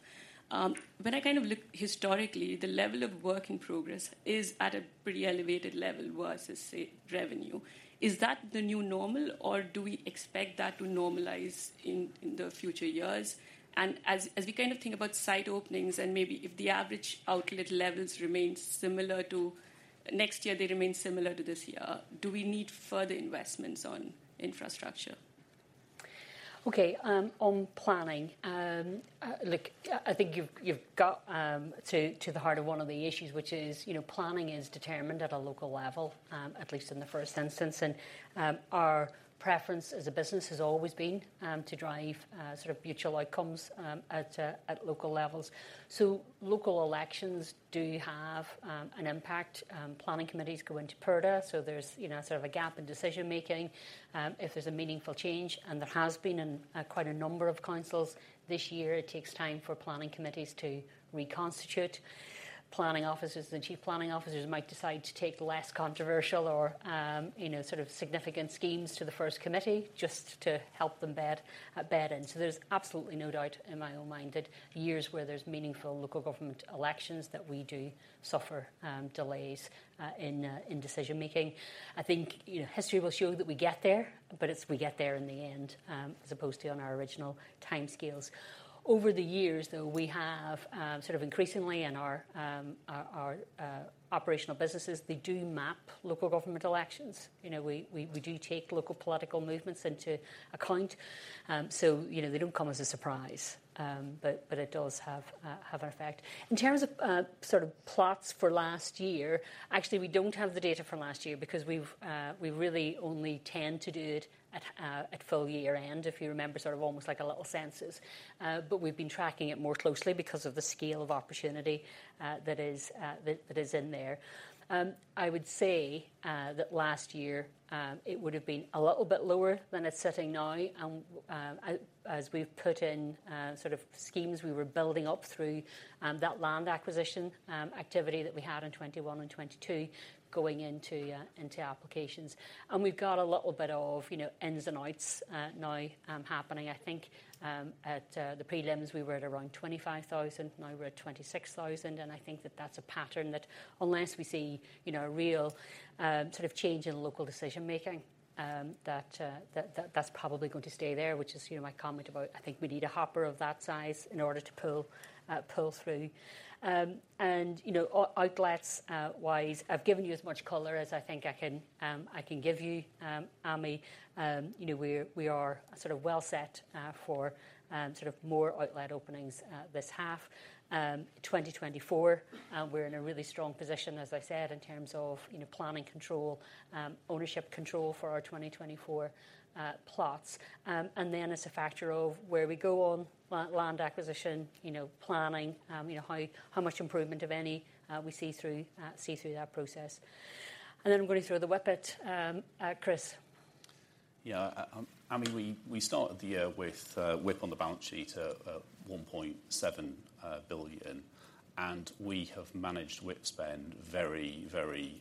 When I kind of look historically, the level of work in progress is at a pretty elevated level versus, say, revenue. Is that the new normal, or do we expect that to normalize in the future years? As we kind of think about site openings and maybe if the average outlet levels remain similar to... next year, they remain similar to this year, do we need further investments on infrastructure? Okay, on planning, look, I, I think you've, you've got to, to the heart of one of the issues, which is, you know, planning is determined at a local level, at least in the first instance, and our preference as a business has always been to drive sort of mutual outcomes at local levels. Local elections do have an impact. Planning committees go into purdah, so there's, you know, sort of a gap in decision-making. If there's a meaningful change, and there has been in quite a number of councils this year, it takes time for planning committees to reconstitute. Planning officers and chief planning officers might decide to take less controversial or, you know, sort of significant schemes to the first committee just to help them bed bed in. There's absolutely no doubt in my own mind that years where there's meaningful local government elections, that we do suffer delays in decision making. I think, you know, history will show that we get there, but it's we get there in the end, as opposed to on our original timescales. Over the years, though, we have sort of increasingly in our operational businesses, they do map local government elections. You know, we, we, we do take local political movements into account, so, you know, they don't come as a surprise, but, but it does have a, have an effect. In terms of, sort of plots for last year, actually, we don't have the data from last year because we've, we really only tend to do it at, at full year end, if you remember, sort of almost like a little census. We've been tracking it more closely because of the scale of opportunity, that is, that, that is in there. I would say, that last year, it would have been a little bit lower than it's sitting now, and, as we've put in, sort of schemes, we were building up through, that land acquisition, activity that we had in 2021 and 2022, going into, into applications. We've got a little bit of, you know, ins and outs, now, happening. I think, at the prelims, we were at around 25,000, now we're at 26,000, and I think that that's a pattern that unless we see, you know, a real sort of change in local decision making, that that's probably going to stay there, which is, you know, my comment about I think we need a hopper of that size in order to pull pull through. You know, outlets wise, I've given you as much color as I think I can give you, Ami. You know, we are, we are sort of well set for sort of more outlet openings at this half. 2024, we're in a really strong position, as I said, in terms of, you know, planning control, ownership control for our 2024 plots. Then it's a factor of where we go on land acquisition, you know, planning, you know, how, how much improvement, if any, we see through, see through that process. Then I'm going to throw the WIP it, Chris. Yeah, I mean, we, we started the year with WIP on the balance sheet at 1.7 billion. We have managed WIP spend very, very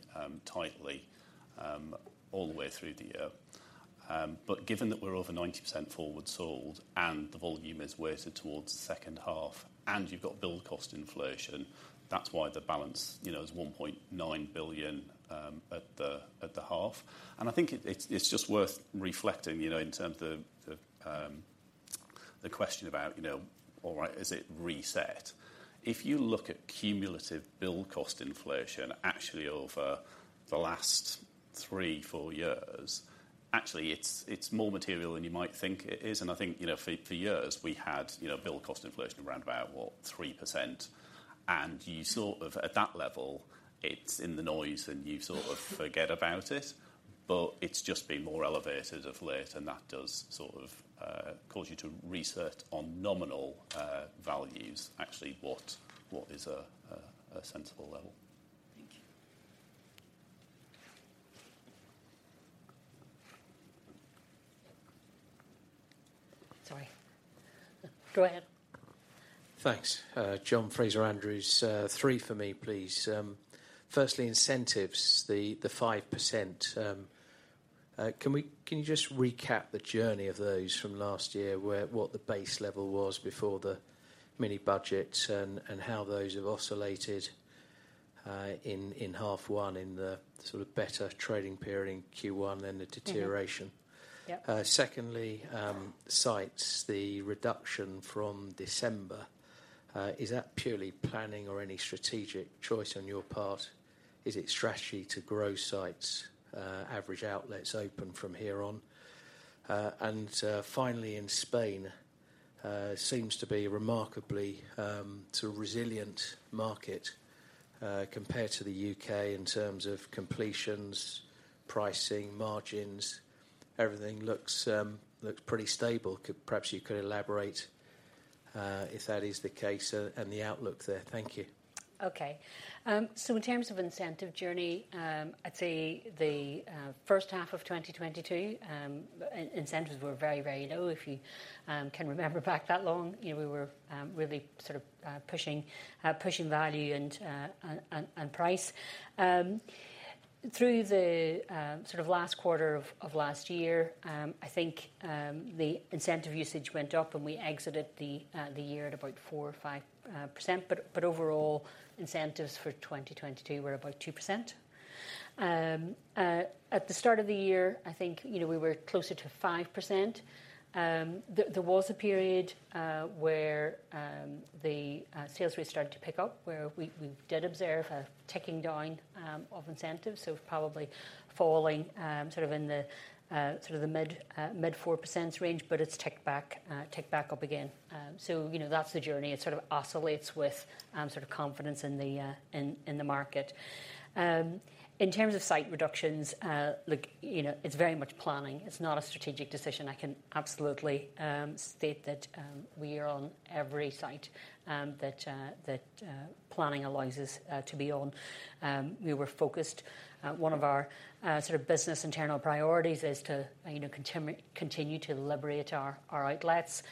tightly all the way through the year. Given that we're over 90% forward sold and the volume is weighted towards the second half, and you've got build cost inflation, that's why the balance, you know, is 1.9 billion at the half. I think it, it's, it's just worth reflecting, you know, in terms of the question about, you know, all right, is it reset? If you look at cumulative build cost inflation, actually over the last three, four years, actually it's, it's more material than you might think it is. I think, you know, for, for years we had, you know, build cost inflation around about, what, 3%. You sort of, at that level, it's in the noise, and you sort of forget about it, but it's just been more elevated of late, and that does sort of cause you to reset on nominal values, actually, what, what is a, a, a sensible level. Thank you. Sorry. Go ahead. Thanks. John Fraser-Andrews. three for me, please. firstly, incentives, the, the 5%-, can we, can you just recap the journey of those from last year, where, what the base level was before the mini budget and, and how those have oscillated, in, in half one, in the sort of better trading period in Q1, then the deterioration? Mm-hmm. Yep. Secondly, sites, the reduction from December, is that purely planning or any strategic choice on your part? Is it strategy to grow sites, average outlets open from here on? Finally, in Spain, seems to be remarkably, it's a resilient market, compared to the UK in terms of completions, pricing, margins, everything looks pretty stable. Perhaps you could elaborate, if that is the case, and the outlook there. Thank you. Okay. In terms of incentive journey, I'd say the first half of 2022, incentives were very, very low. If you can remember back that long, you know, we were really sort of pushing value and price. Through the sort of last quarter of last year, I think the incentive usage went up, and we exited the year at about 4% or 5%. Overall, incentives for 2022 were about 2%. At the start of the year, I think, you know, we were closer to 5%. There, there was a period where the sales rate started to pick up, where we, we did observe a ticking down of incentives, so probably falling sort of in the mid-4% range, but it's ticked back, ticked back up again. So, you know, that's the journey. It sort of oscillates with sort of confidence in the in the market. In terms of site reductions, look, you know, it's very much planning. It's not a strategic decision. I can absolutely state that we are on every site that planning allows us to be on. We were focused. One of our sort of business internal priorities is to, you know, continue to liberate our, our outlets.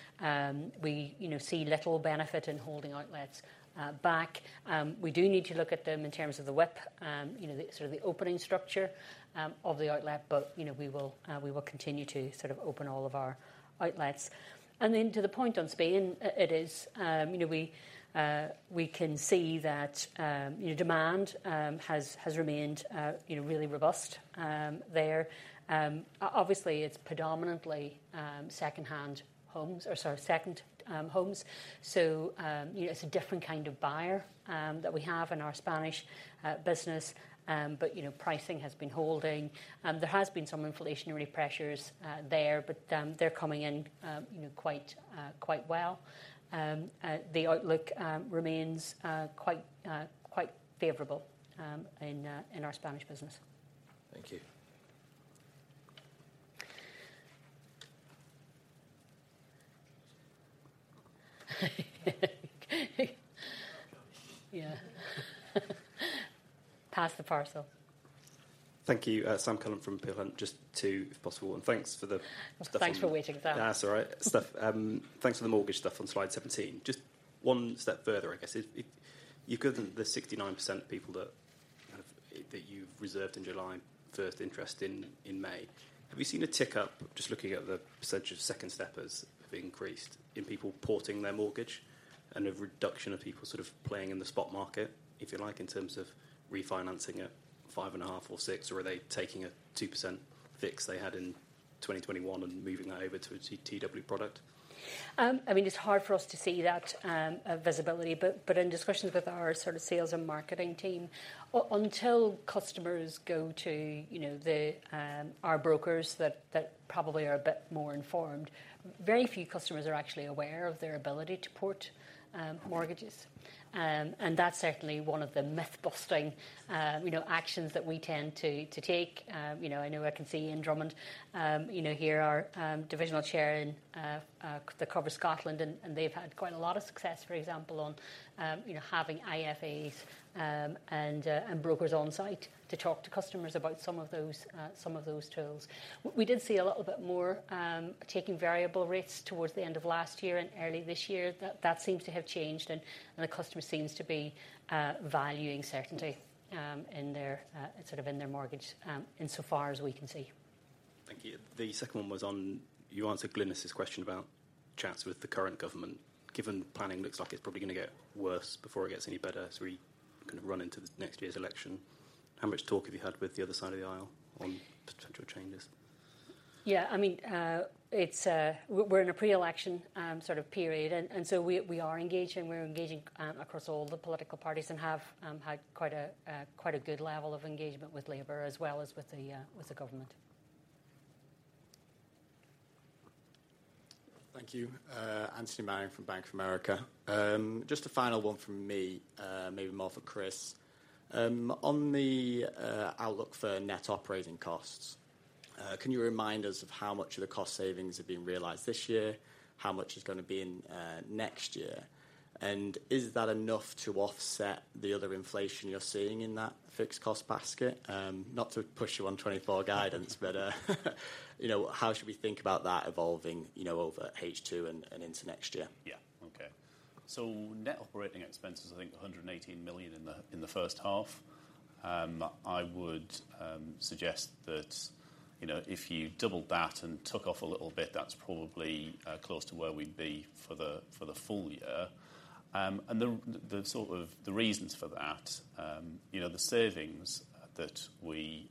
We, you know, see little benefit in holding outlets back. We do need to look at them in terms of the WIP, you know, the sort of the opening structure of the outlet, but, you know, we will continue to sort of open all of our outlets. To the point on Spain, it is, you know, we can see that, you know, demand has remained, you know, really robust there. Obviously, it's predominantly second-hand homes, or sorry, second homes, so, you know, it's a different kind of buyer that we have in our Spanish business. You know, pricing has been holding. There has been some inflationary pressures there, but they're coming in, you know, quite well. The outlook remains quite quite favorable in our Spanish business. Thank you. Yeah. Pass the parcel. Thank you. Sam Cullen from Peel Hunt. Just 2, if possible, and thanks for the- Thanks for waiting, Sam. Ah, that's all right. Stuff, thanks for the mortgage stuff on slide 17. Just one step further, I guess. If, if you've given the 69% of people that, kind of, that you've reserved in July, first interest in, in May, have you seen a tick-up, just looking at the percentage of second steppers have increased in people porting their mortgage and a reduction of people sort of playing in the spot market, if you like, in terms of refinancing at 5.5% or 6%? Or are they taking a 2% fix they had in 2021 and moving that over to a TW product? I mean, it's hard for us to see that visibility, but, but in discussions with our sort of sales and marketing team, until customers go to, you know, the our brokers that, that probably are a bit more informed, very few customers are actually aware of their ability to port mortgages. That's certainly one of the myth-busting, you know, actions that we tend to, to take. You know, I know I can see Ian Drummond, you know, here, our divisional chair in that covers Scotland, and, and they've had quite a lot of success, for example, on, you know, having IFA and brokers on site to talk to customers about some of those some of those tools. We did see a little bit more taking variable rates towards the end of last year and early this year. That seems to have changed, and the customer seems to be valuing certainty in their sort of in their mortgage insofar as we can see. Thank you. The second one was on, you answered Glynis's question about chats with the current government. Given planning looks like it's probably gonna get worse before it gets any better, as we kind of run into the next year's election, how much talk have you had with the other side of the aisle on potential changes? Yeah, I mean, it's. We're, we're in a pre-election, sort of period, and, and so we, we are engaging. We're engaging, across all the political parties and have, had quite a, quite a good level of engagement with Labour as well as with the, with the government. Thank you. Arnaud Marion from Bank of America. Just a final one from me, maybe more for Chris. On the outlook for net operating costs, can you remind us of how much of the cost savings have been realized this year? How much is gonna be in next year? Is that enough to offset the other inflation you're seeing in that fixed cost basket? Not to push you on 2024 guidance, but, you know, how should we think about that evolving, you know, over H2 and into next year? Yeah. Okay. Net operating expenses, I think, 118 million in the first half. I would suggest that, you know, if you doubled that and took off a little bit, that's probably close to where we'd be for the full year. The sort of the reasons for that, you know, the savings that we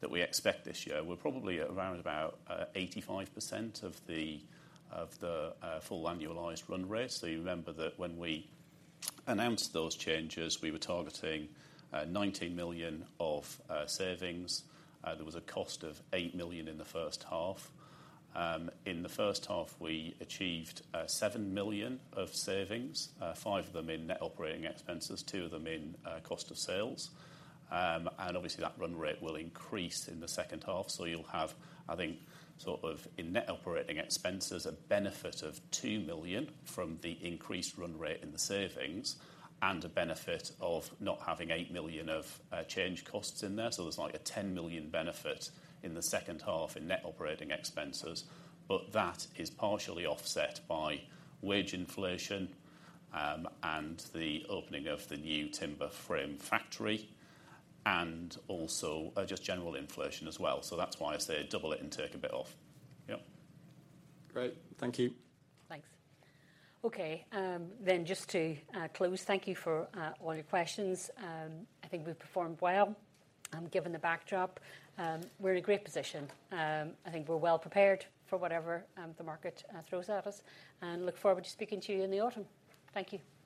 that we expect this year were probably around about 85% of the full annualized run rate. You remember that when we announced those changes, we were targeting 19 million of savings. There was a cost of 8 million in the first half. In the first half, we achieved 7 million of savings, 5 of them in net operating expenses, 2 of them in cost of sales. Obviously, that run rate will increase in the second half, so you'll have, I think, sort of in net operating expenses, a benefit of 2 million from the increased run rate in the savings and a benefit of not having 8 million of change costs in there. There's like a 10 million benefit in the second half in net operating expenses, but that is partially offset by wage inflation, and the opening of the new timber frame factory, and also, just general inflation as well. That's why I say double it and take a bit off. Yep. Great. Thank you. Thanks. Okay, then just to close, thank you for all your questions. I think we've performed well, given the backdrop. We're in a great position. I think we're well prepared for whatever the market throws at us, and look forward to speaking to you in the autumn. Thank you.